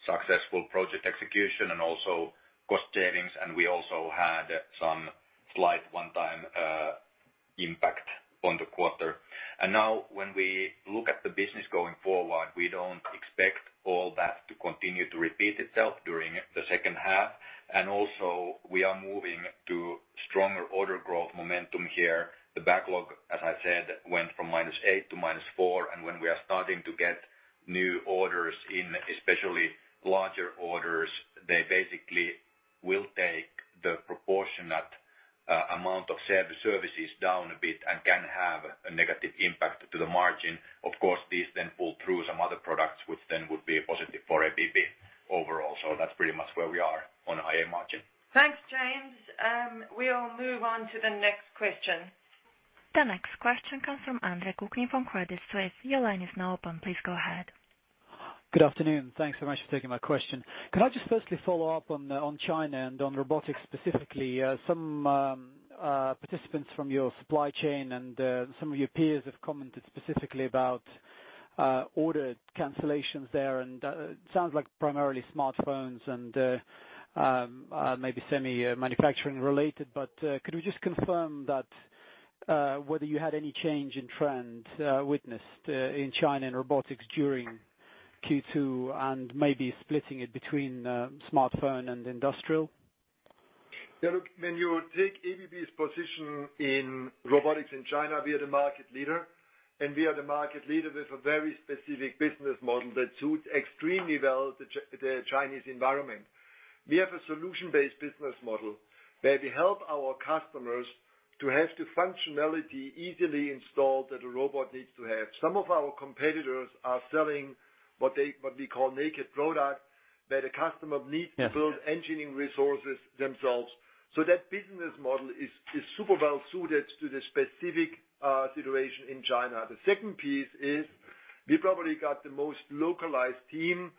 successful project execution, and also cost savings, and we also had some slight one-time impact on the quarter. Now when we look at the business going forward, we don't expect all that to continue to repeat itself during the second half. Also we are moving to stronger order growth momentum here. The backlog, as I said, went from minus eight to minus four. When we are starting to get new orders in, especially larger orders, they basically will take the proportionate amount of services down a bit and can have a negative impact to the margin. Of course, these then pull through some other products, which then would be a positive for ABB overall. That's pretty much where we are on IA margin. Thanks, James. We'll move on to the next question. The next question comes from Andre Kukhnin from Credit Suisse. Your line is now open. Please go ahead. Good afternoon. Thanks so much for taking my question. Can I just firstly follow up on China and on robotics specifically? Some participants from your supply chain and some of your peers have commented specifically about order cancellations there, and it sounds like primarily smartphones and maybe semi manufacturing related. Could we just confirm that whether you had any change in trend witnessed in China and robotics during Q2 and maybe splitting it between smartphone and industrial? Yeah, look, when you take ABB's position in robotics in China, we are the market leader, and we are the market leader with a very specific business model that suits extremely well the Chinese environment. We have a solution-based business model where we help our customers to have the functionality easily installed that a robot needs to have. Some of our competitors are selling what we call naked product, where the customer needs Yeah to build engineering resources themselves. That business model is super well suited to the specific situation in China. The second piece is we probably got the most localized team.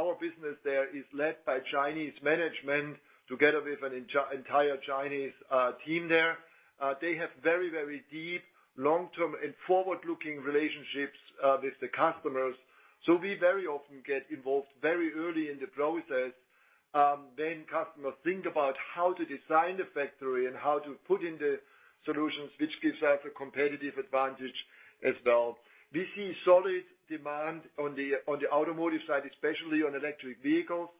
Our business there is led by Chinese management together with an entire Chinese team there. They have very deep, long-term, and forward-looking relationships with the customers. We very often get involved very early in the process. Customers think about how to design the factory and how to put in the solutions, which gives us a competitive advantage as well. We see solid demand on the automotive side, especially on electric vehicles.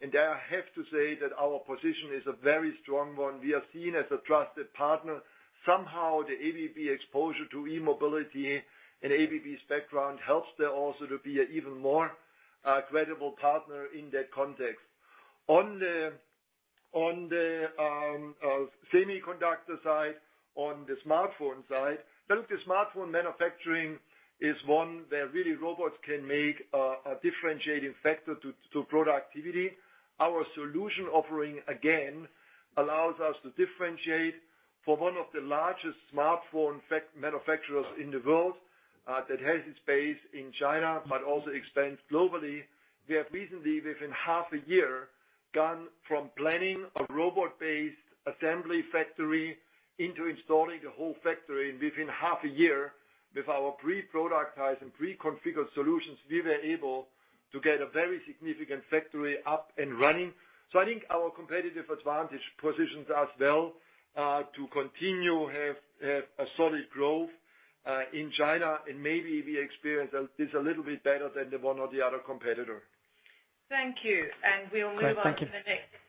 There I have to say that our position is a very strong one. We are seen as a trusted partner. Somehow, the ABB exposure to e-mobility and ABB's background helps there also to be an even more credible partner in that context. On the semiconductor side, on the smartphone side, look, the smartphone manufacturing is one where really robots can make a differentiating factor to productivity. Our solution offering, again, allows us to differentiate for one of the largest smartphone manufacturers in the world that has its base in China but also expands globally. We have recently, within half a year, gone from planning a robot-based assembly factory into installing the whole factory. Within half a year, with our pre-productized and pre-configured solutions, we were able to get a very significant factory up and running. I think our competitive advantage positions us well to continue have a solid growth in China, and maybe we experience this a little bit better than the one or the other competitor. Thank you. We'll move on Great. Thank you to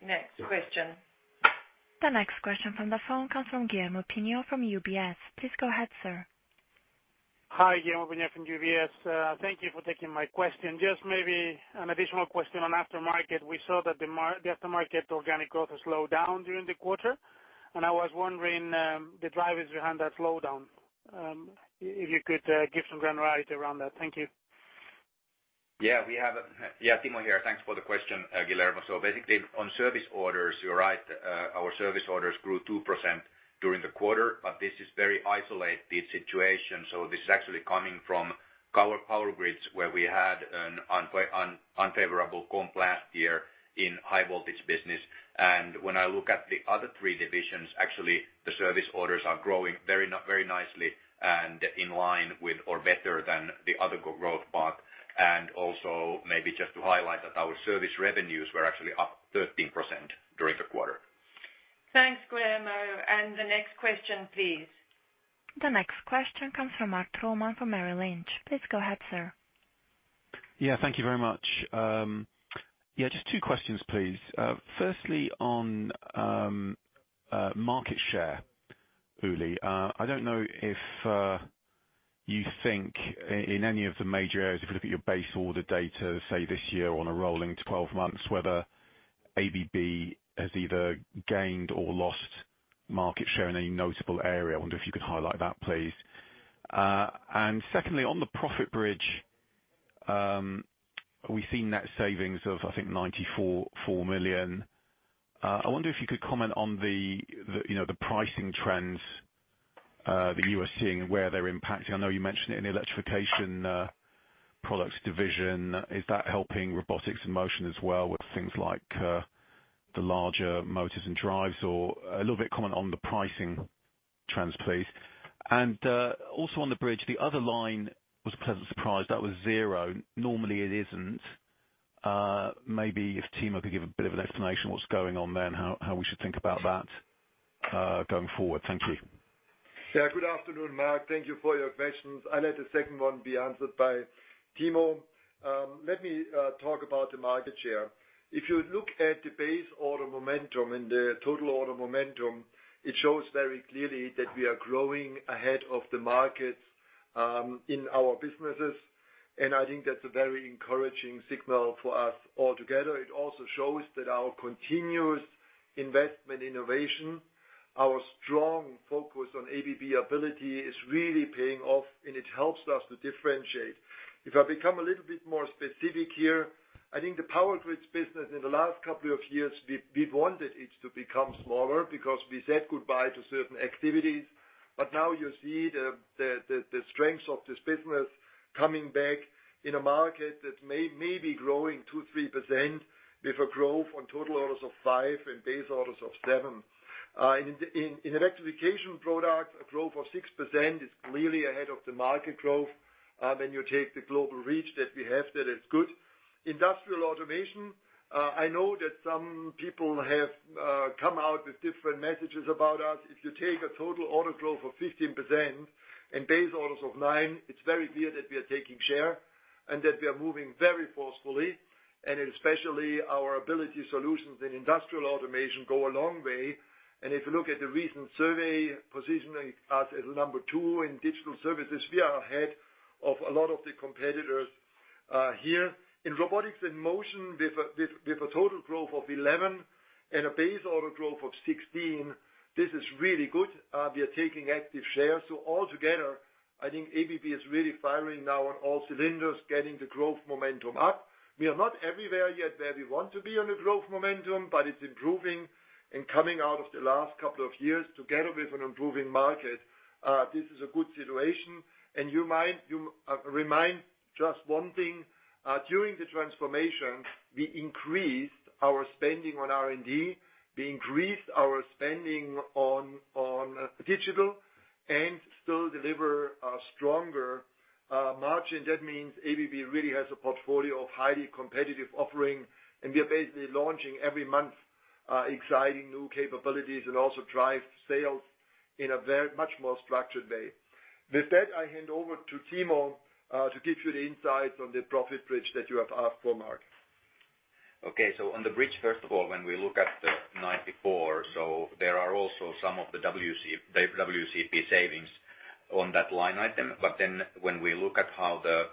the next question. The next question from the phone comes from Guillermo Peigneux-Lojo from UBS. Please go ahead, sir. Hi, Guillermo Peigneux-Lojo from UBS. Thank you for taking my question. Just maybe an additional question on aftermarket. We saw that the aftermarket organic growth has slowed down during the quarter. I was wondering the drivers behind that slowdown, if you could give some granularity around that. Thank you. Timo here. Thanks for the question, Guillermo. Basically, on service orders, you're right. Our service orders grew 2% during the quarter, this is very isolated, this situation. This is actually coming from our Power Grids, where we had an unfavorable comp last year in high voltage business. When I look at the other three divisions, actually, the service orders are growing very nicely and in line with or better than the other growth part. Also maybe just to highlight that our service revenues were actually up 13% during the quarter. Thanks, Guillermo. The next question, please. The next question comes from Mark Troman from Merrill Lynch. Please go ahead, sir. Thank you very much. Just two questions, please. Firstly, on market share, Uli, I don't know if you think in any of the major areas, if you look at your base order data, say, this year on a rolling 12 months, whether ABB has either gained or lost market share in any notable area. I wonder if you could highlight that, please. Secondly, on the profit bridge, we've seen net savings of, I think, $94 million. I wonder if you could comment on the pricing trends that you are seeing and where they're impacting. I know you mentioned it in the Electrification Products division. Is that helping Robotics & Motion as well with things like the larger motors and drives? A little bit comment on the pricing trends, please. Also on the bridge, the other line was a pleasant surprise. That was zero. Normally, it isn't. Maybe if Timo could give a bit of an explanation what's going on there and how we should think about that going forward. Thank you. Yeah. Good afternoon, Mark. Thank you for your questions. I'll let the second one be answered by Timo. Let me talk about the market share. If you look at the base order momentum and the total order momentum, it shows very clearly that we are growing ahead of the markets in our businesses, and I think that's a very encouraging signal for us all together. It also shows that our continuous investment innovation, our strong focus on ABB Ability, is really paying off, and it helps us to differentiate. If I become a little bit more specific here, I think the Power Grids business in the last couple of years, we've wanted it to become smaller because we said goodbye to certain activities. Now you see the strength of this business coming back in a market that may be growing 2%, 3% with a growth on total orders of five and base orders of seven. In Electrification Products, a growth of 6% is clearly ahead of the market growth. You take the global reach that we have there is good. Industrial Automation, I know that some people have come out with different messages about us. If you take a total order growth of 15% and base orders of nine, it's very clear that we are taking share and that we are moving very forcefully, and especially our ABB Ability solutions in Industrial Automation go a long way. If you look at the recent survey positioning us as number two in digital services, we are ahead of a lot of the competitors here. In Robotics and Motion, with a total growth of 11 and a base order growth of 16, this is really good. We are taking active share. Altogether, I think ABB is really firing now on all cylinders, getting the growth momentum up. We are not everywhere yet where we want to be on the growth momentum, but it's improving and coming out of the last couple of years together with an improving market. This is a good situation. You remind just one thing. During the transformation, we increased our spending on R&D, we increased our spending on digital, and still deliver a stronger margin. That means ABB really has a portfolio of highly competitive offering, and we are basically launching every month exciting new capabilities and also drive sales in a very much more structured way. I hand over to Timo to give you the insights on the profit bridge that you have asked for, Mark. On the bridge, first of all, when we look at the $94, there are also some of the WCP savings on that line item. When we look at how the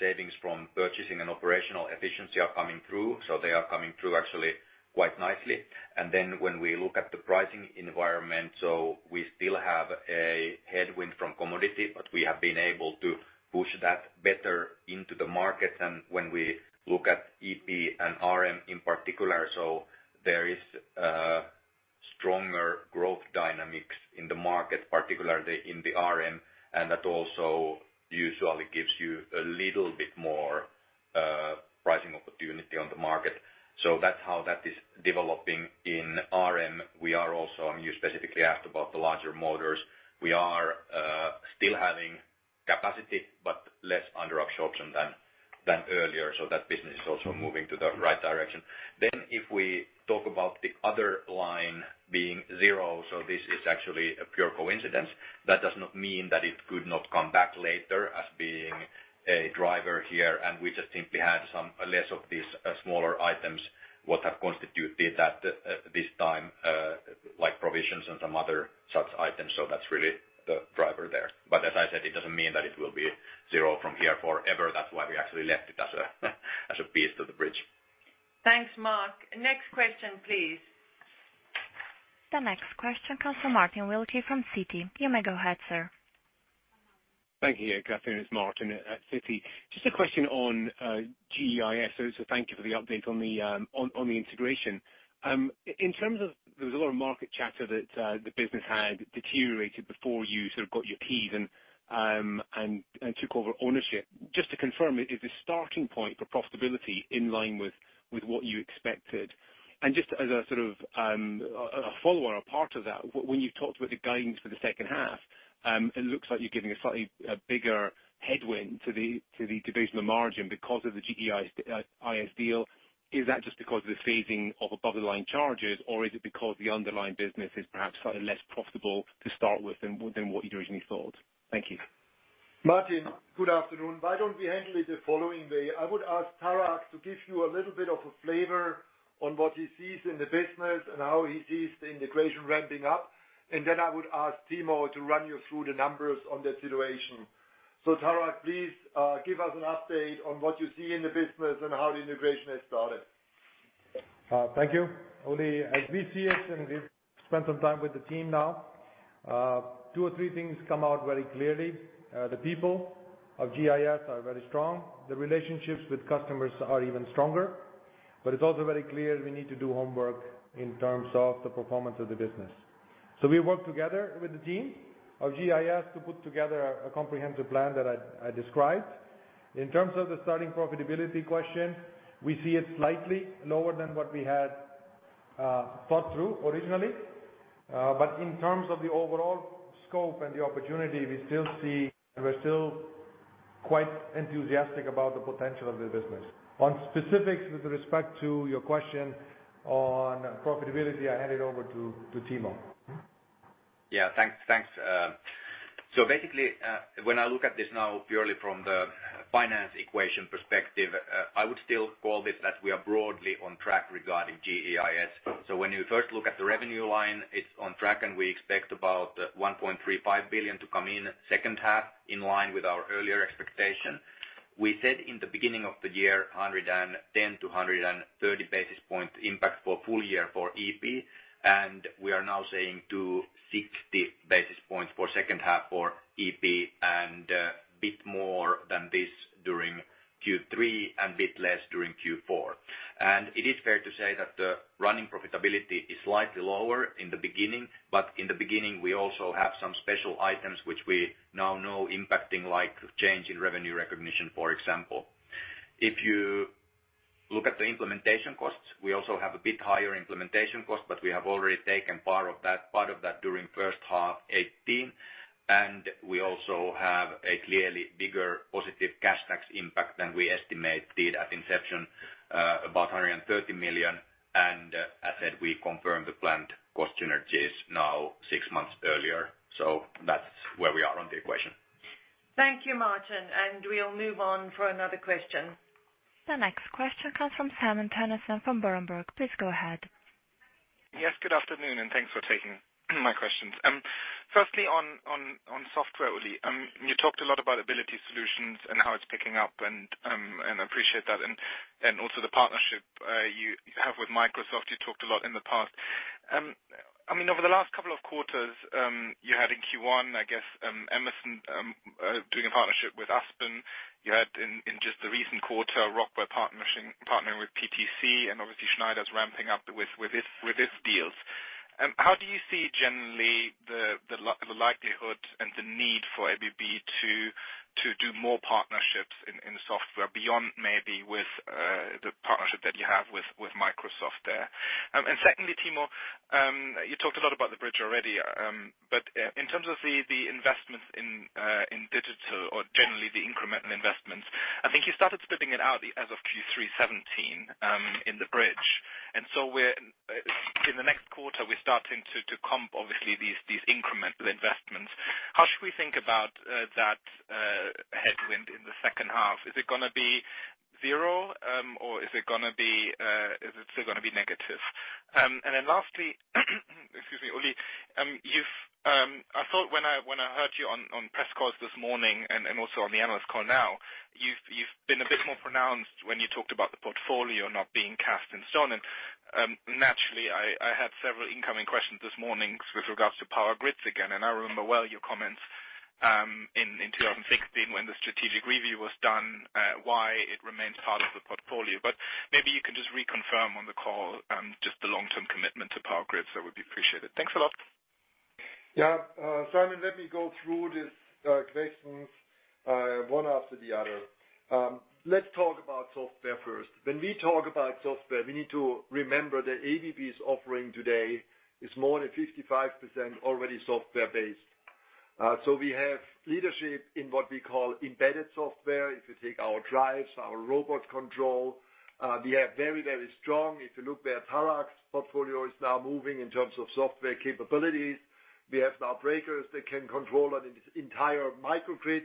savings from purchasing and operational efficiency are coming through, they are coming through actually quite nicely. When we look at the pricing environment, we still have a headwind from commodity, but we have been able to push that better into the market. When we look at EP and RM in particular, there is a stronger growth dynamics in the market, particularly in the RM, and that also usually gives you a little bit more pricing opportunity on the market. That's how that is developing in RM. We are also, and you specifically asked about the larger motors. We are still having capacity, but less under option than earlier. That business is also moving to the right direction. If we talk about the other line being zero, this is actually a pure coincidence. That does not mean that it could not come back later as being a driver here, and we just simply had some less of these smaller items, what have constituted that this time, like provisions and some other such items. That's really the driver there. As I said, it doesn't mean that it will be zero from here forever. That's why we actually left it as a piece to the- Thanks, Mark. Next question, please. The next question comes from Martin Wilkie from Citi. You may go ahead, sir. Thank you. Good afternoon, it's Martin at Citi. Just a question on GEIS. Thank you for the update on the integration. In terms of, there was a lot of market chatter that the business had deteriorated before you sort of got your keys and took over ownership. Just to confirm, is the starting point for profitability in line with what you expected? Just as a sort of follower or part of that, when you've talked about the guidance for the second half, it looks like you're giving a slightly bigger headwind to the division margin because of the GEIS deal. Is that just because of the phasing of above the line charges, or is it because the underlying business is perhaps slightly less profitable to start with than what you'd originally thought? Thank you. Martin, good afternoon. Why don't we handle it the following way? I would ask Tarak to give you a little bit of a flavor on what he sees in the business and how he sees the integration ramping up, and then I would ask Timo to run you through the numbers on that situation. Tarak, please give us an update on what you see in the business and how the integration has started. Thank you. Uli, as we see it, and we've spent some time with the team now, two or three things come out very clearly. The people of GEIS are very strong. The relationships with customers are even stronger. It's also very clear we need to do homework in terms of the performance of the business. We work together with the team of GEIS to put together a comprehensive plan that I described. In terms of the starting profitability question, we see it slightly lower than what we had thought through originally. In terms of the overall scope and the opportunity, we still see we're still quite enthusiastic about the potential of the business. On specifics with respect to your question on profitability, I hand it over to Timo. Yeah, thanks. Basically, when I look at this now purely from the finance equation perspective, I would still call this that we are broadly on track regarding GEIS. When you first look at the revenue line, it's on track, and we expect about $1.35 billion to come in second half, in line with our earlier expectation. We said in the beginning of the year, 110 to 130 basis point impact for full year for EP, and we are now saying 60 basis points for second half for EP and a bit more than this during Q3 and bit less during Q4. It is fair to say that the running profitability is slightly lower in the beginning, but in the beginning, we also have some special items which we now know impacting, like change in revenue recognition, for example. If you look at the implementation costs, we also have a bit higher implementation cost, but we have already taken part of that during first half 2018, and we also have a clearly bigger positive cash tax impact than we estimated at inception, about $130 million. As said, we confirmed the planned cost synergies now six months earlier. That's where we are on the equation. Thank you, Martin. We'll move on for another question. The next question comes from Simon Toennessen from Berenberg. Please go ahead. Yes, good afternoon, and thanks for taking my questions. Firstly, on software, Uli. You talked a lot about ABB Ability and how it's picking up and appreciate that, and also the partnership you have with Microsoft, you talked a lot in the past. Over the last couple of quarters, you had in Q1, I guess, Emerson doing a partnership with AspenTech. You had in just the recent quarter, Rockwell Automation partnering with PTC, and obviously Schneider Electric's ramping up with its deals. How do you see generally the likelihood and the need for ABB to do more partnerships in software beyond maybe with the partnership that you have with Microsoft there? Secondly, Timo, you talked a lot about the bridge already, but in terms of the investments in digital or generally the incremental investments, I think you started splitting it out as of Q3 2017 in the bridge. In the next quarter, we're starting to comp, obviously these incremental investments. How should we think about that headwind in the second half? Is it going to be 0, or is it still going to be negative? Lastly, excuse me, Uli, I thought when I heard you on press calls this morning and also on the analyst call now, you've been a bit more pronounced when you talked about the portfolio not being cast and so on. Naturally, I had several incoming questions this morning with regards to Power Grids again. I remember well your comments in 2016 when the strategic review was done, why it remains part of the portfolio. Maybe you can just reconfirm on the call, just the long-term commitment to Power Grids, that would be appreciated. Thanks a lot. Yeah. Simon, let me go through these questions one after the other. Let's talk about software first. We need to remember that ABB's offering today is more than 55% already software-based. We have leadership in what we call embedded software. If you take our drives, our robot control, we are very strong. If you look where Tarak's portfolio is now moving in terms of software capabilities. We have now breakers that can control an entire microgrid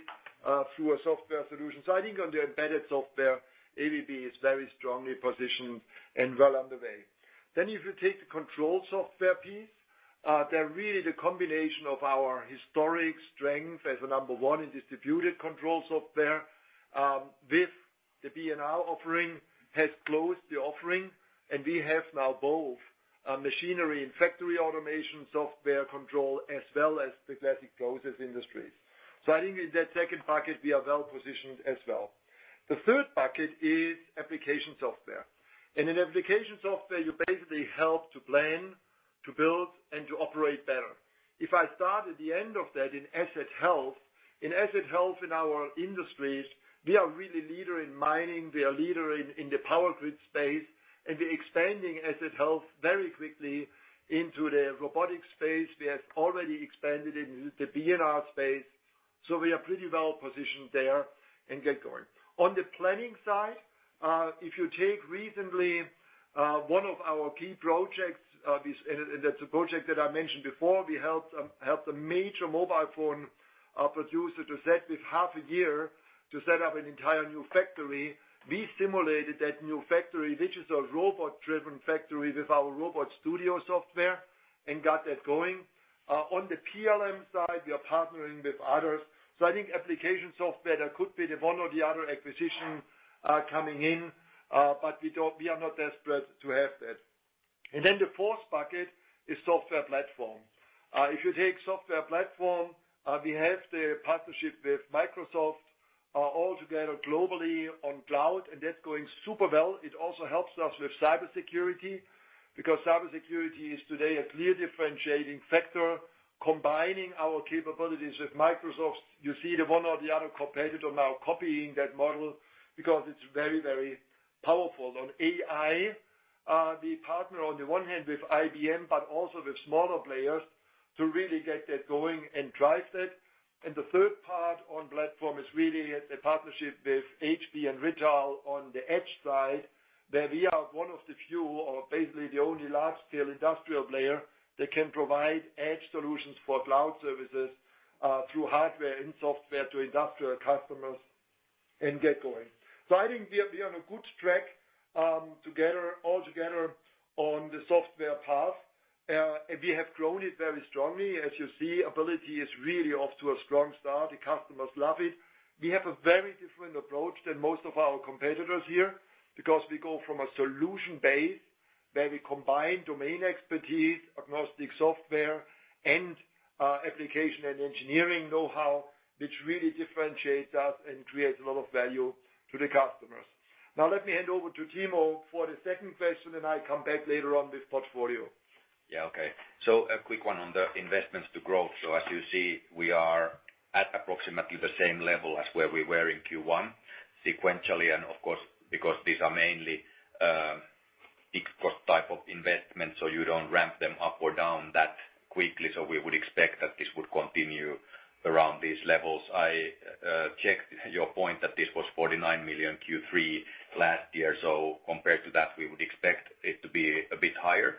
through a software solution. I think on the embedded software, ABB is very strongly positioned and well underway. If you take the control software piece, they're really the combination of our historic strength as the number 1 in distributed control software, with the B&R offering has closed the offering, and we have now both machinery and factory automation software control, as well as the classic process industries. I think in that second bucket, we are well-positioned as well. The 3rd bucket is application software. In application software, you basically help to plan, to build and to operate better. If I start at the end of that in asset health, in asset health in our industries, we are really leader in mining, we are leader in the Power Grids space, and we're expanding asset health very quickly into the robotic space. We have already expanded into the B&R space, so we are pretty well-positioned there and get going. On the planning side, if you take recently one of our key projects, that's a project that I mentioned before. We helped a major mobile phone producer to set with half a year to set up an entire new factory. We simulated that new factory, which is a robot-driven factory with our RobotStudio software, and got that going. On the PLM side, we are partnering with others. I think application software, there could be the one or the other acquisition coming in, but we are not desperate to have that. The fourth bucket is software platform. If you take software platform, we have the partnership with Microsoft altogether globally on cloud, and that's going super well. It also helps us with cybersecurity, because cybersecurity is today a clear differentiating factor. Combining our capabilities with Microsoft's, you see the one or the other competitor now copying that model because it's very, very powerful. On AI, we partner on the one hand with IBM, but also with smaller players to really get that going and drive that. The third part on platform is really a partnership with HPE and Rittal on the edge side, where we are one of the few, or basically the only large-scale industrial player that can provide edge solutions for cloud services through hardware and software to industrial customers and get going. I think we are on a good track altogether on the software path. We have grown it very strongly. As you see, Ability is really off to a strong start. The customers love it. We have a very different approach than most of our competitors here, because we go from a solution base where we combine domain expertise, agnostic software, and application and engineering knowhow, which really differentiates us and creates a lot of value to the customers. Now let me hand over to Timo for the second question, and I come back later on with portfolio. Yeah. Okay. A quick one on the investments to growth. As you see, we are at approximately the same level as where we were in Q1 sequentially, of course, because these are mainly big cost type of investments, you don't ramp them up or down that quickly. We would expect that this would continue around these levels. I checked your point that this was $49 million Q3 last year, compared to that, we would expect it to be a bit higher.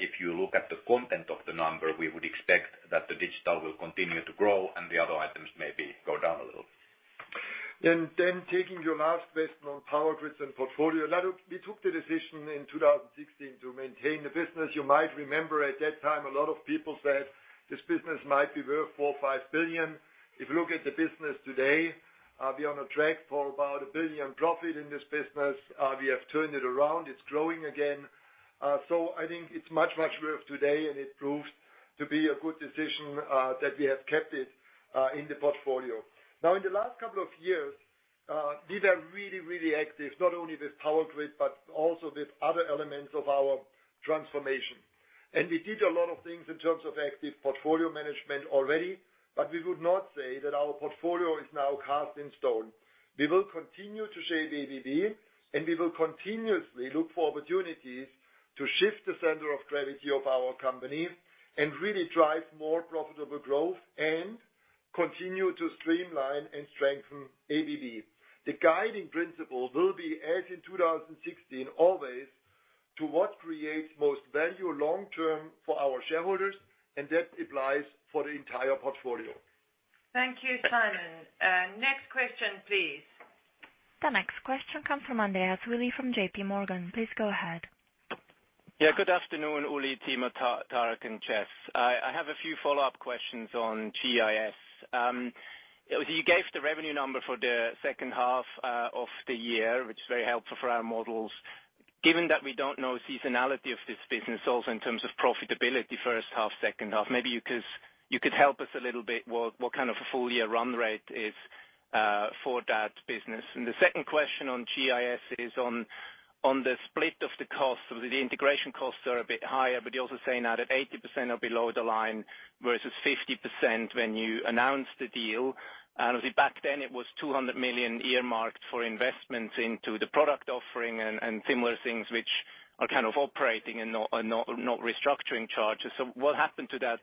If you look at the content of the number, we would expect that the digital will continue to grow and the other items maybe go down a little. Taking your last question on Power Grids and portfolio. We took the decision in 2016 to maintain the business. You might remember at that time, a lot of people said this business might be worth $4 billion, $5 billion. If you look at the business today, we are on a track for about $1 billion profit in this business. We have turned it around. It's growing again. I think it's much, much worth today, and it proves to be a good decision that we have kept it in the portfolio. In the last couple of years, these are really, really active, not only with Power Grids, but also with other elements of our transformation. We did a lot of things in terms of active portfolio management already, but we would not say that our portfolio is now cast in stone. We will continue to shape ABB. We will continuously look for opportunities to shift the center of gravity of our company and really drive more profitable growth and continue to streamline and strengthen ABB. The guiding principle will be, as in 2016, always to what creates most value long-term for our shareholders. That applies for the entire portfolio. Thank you, Simon. Next question, please. The next question comes from Andreas Willi from J.P. Morgan. Please go ahead. Yeah. Good afternoon, Uli, Timo, Tarak, and Jess. I have a few follow-up questions on GEIS. You gave the revenue number for the second half of the year, which is very helpful for our models. Given that we don't know seasonality of this business also in terms of profitability, first half, second half, maybe you could help us a little bit what kind of a full-year run rate is for that business. The second question on GEIS is on the split of the costs. The integration costs are a bit higher, but you're also saying now that 80% are below the line versus 50% when you announced the deal. Obviously back then, it was $200 million earmarked for investments into the product offering and similar things which are kind of operating and not restructuring charges. What happened to that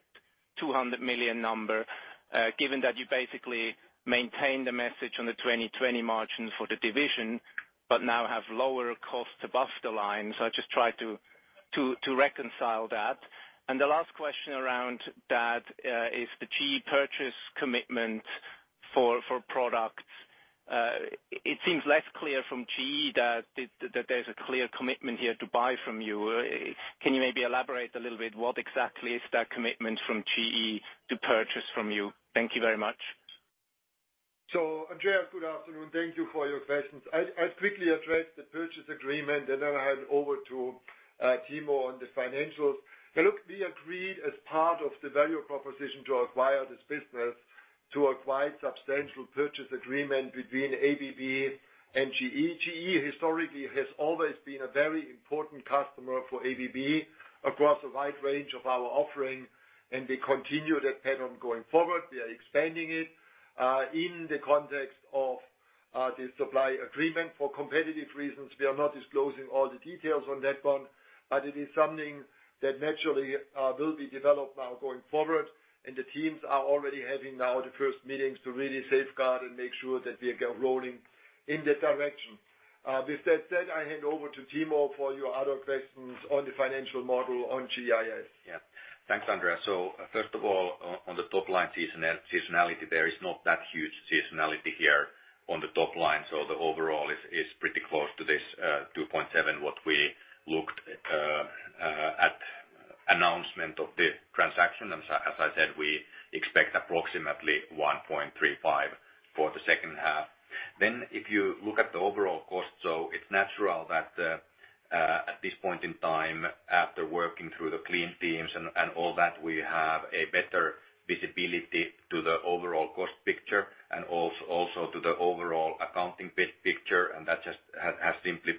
$200 million number, given that you basically maintained the message on the 2020 margin for the division but now have lower cost above the line? I just try to reconcile that. The last question around that is the key purchase commitment for products. It seems less clear from GE that there's a clear commitment here to buy from you. Can you maybe elaborate a little bit what exactly is that commitment from GE to purchase from you? Thank you very much. Andreas, good afternoon. Thank you for your questions. I'll quickly address the purchase agreement and then hand over to Timo on the financials. Now look, we agreed as part of the value proposition to acquire this business to acquire substantial purchase agreement between ABB and GE. GE historically has always been a very important customer for ABB across a wide range of our offering, and we continue that pattern going forward. We are expanding it, in the context of the supply agreement. For competitive reasons, we are not disclosing all the details on that one, but it is something that naturally will be developed now going forward and the teams are already having now the first meetings to really safeguard and make sure that we are rolling in that direction. With that said, I hand over to Timo for your other questions on the financial model on GEIS. Yeah. Thanks, Andreas. First of all, on the top line seasonality, there is not that huge seasonality here on the top line, the overall is pretty close to this $2.7, what we looked at announcement of the transaction. As I said, we expect approximately $1.35 for the second half. If you look at the overall cost, it's natural that at this point in time, after working through the clean teams and all that, we have a better visibility to the overall cost picture and also to the overall accounting base picture, and that just has simply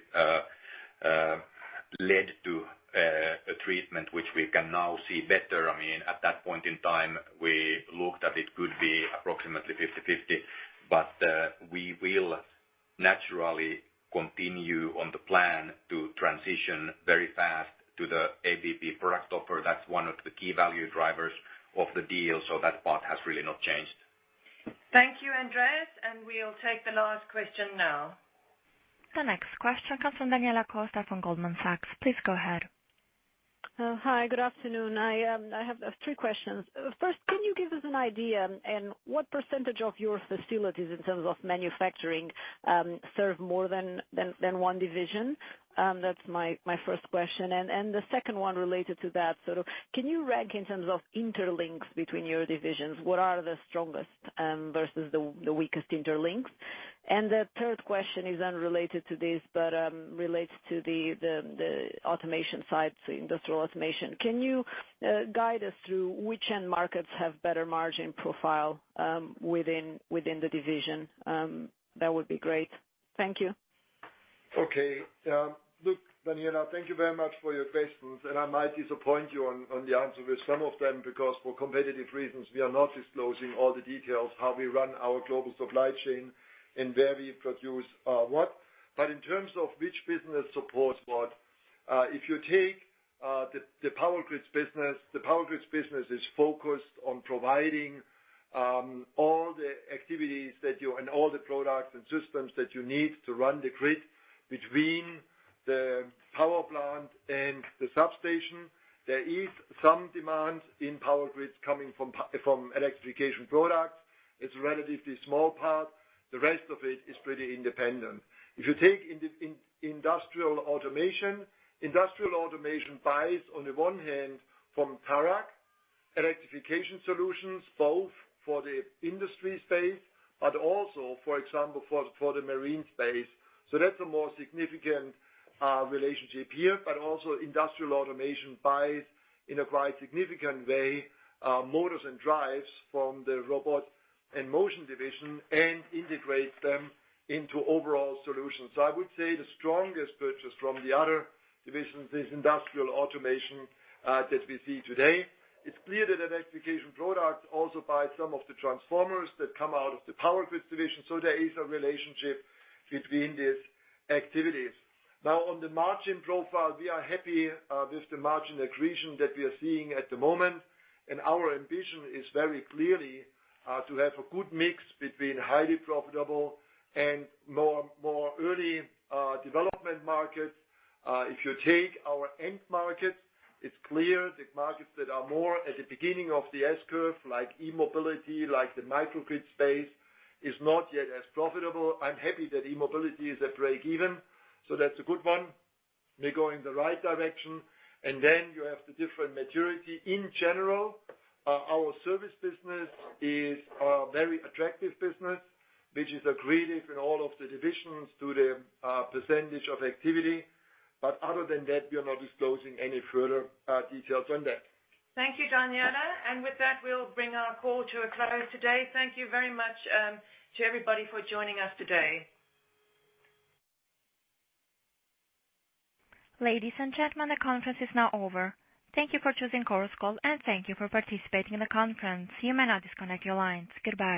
led to a treatment which we can now see better. At that point in time, we looked at it could be approximately 50/50, but we will naturally continue on the plan to transition very fast to the ABB product offer. That's one of the key value drivers of the deal, so that part has really not changed. Thank you, Andreas, and we'll take the last question now. The next question comes from Daniela Costa from Goldman Sachs. Please go ahead. Hi, good afternoon. I have three questions. First, can you give us an idea and what % of your facilities in terms of manufacturing serve more than one division? That's my first question. The second one related to that, so can you rank in terms of interlinks between your divisions, what are the strongest versus the weakest interlinks? The third question is unrelated to this, but relates to the automation side, so Industrial Automation. Can you guide us through which end markets have better margin profile within the division? That would be great. Thank you. Okay. Look, Daniela, thank you very much for your questions. I might disappoint you on the answer with some of them, because for competitive reasons, we are not disclosing all the details, how we run our global supply chain and where we produce what. In terms of which business supports what, if you take the Power Grids business, the Power Grids business is focused on providing all the activities and all the products and systems that you need to run the grid between the power plant and the substation. There is some demand in Power Grids coming from Electrification Products. It's a relatively small part. The rest of it is pretty independent. If you take Industrial Automation, Industrial Automation buys on the one hand from Tarak Electrification Solutions, both for the industry space, but also, for example, for the marine space. That's a more significant relationship here. Industrial Automation buys in a quite significant way motors and drives from the Robotics and Motion division and integrates them into overall solutions. I would say the strongest purchase from the other divisions is Industrial Automation that we see today. It's clear that Electrification Products also buy some of the transformers that come out of the Power Grids division. There is a relationship between these activities. On the margin profile, we are happy with the margin accretion that we are seeing at the moment. Our ambition is very clearly to have a good mix between highly profitable and more early development markets. If you take our end markets, it's clear that markets that are more at the beginning of the S-curve, like e-mobility, like the microgrid space, is not yet as profitable. I'm happy that e-mobility is at break-even. That's a good one. We're going the right direction. Then you have the different maturity. In general, our service business is a very attractive business, which is accretive in all of the divisions to the percentage of activity. Other than that, we are not disclosing any further details on that. Thank you, Daniela. With that, we'll bring our call to a close today. Thank you very much to everybody for joining us today. Ladies and gentlemen, the conference is now over. Thank you for choosing Chorus Call, and thank you for participating in the conference. You may now disconnect your lines. Goodbye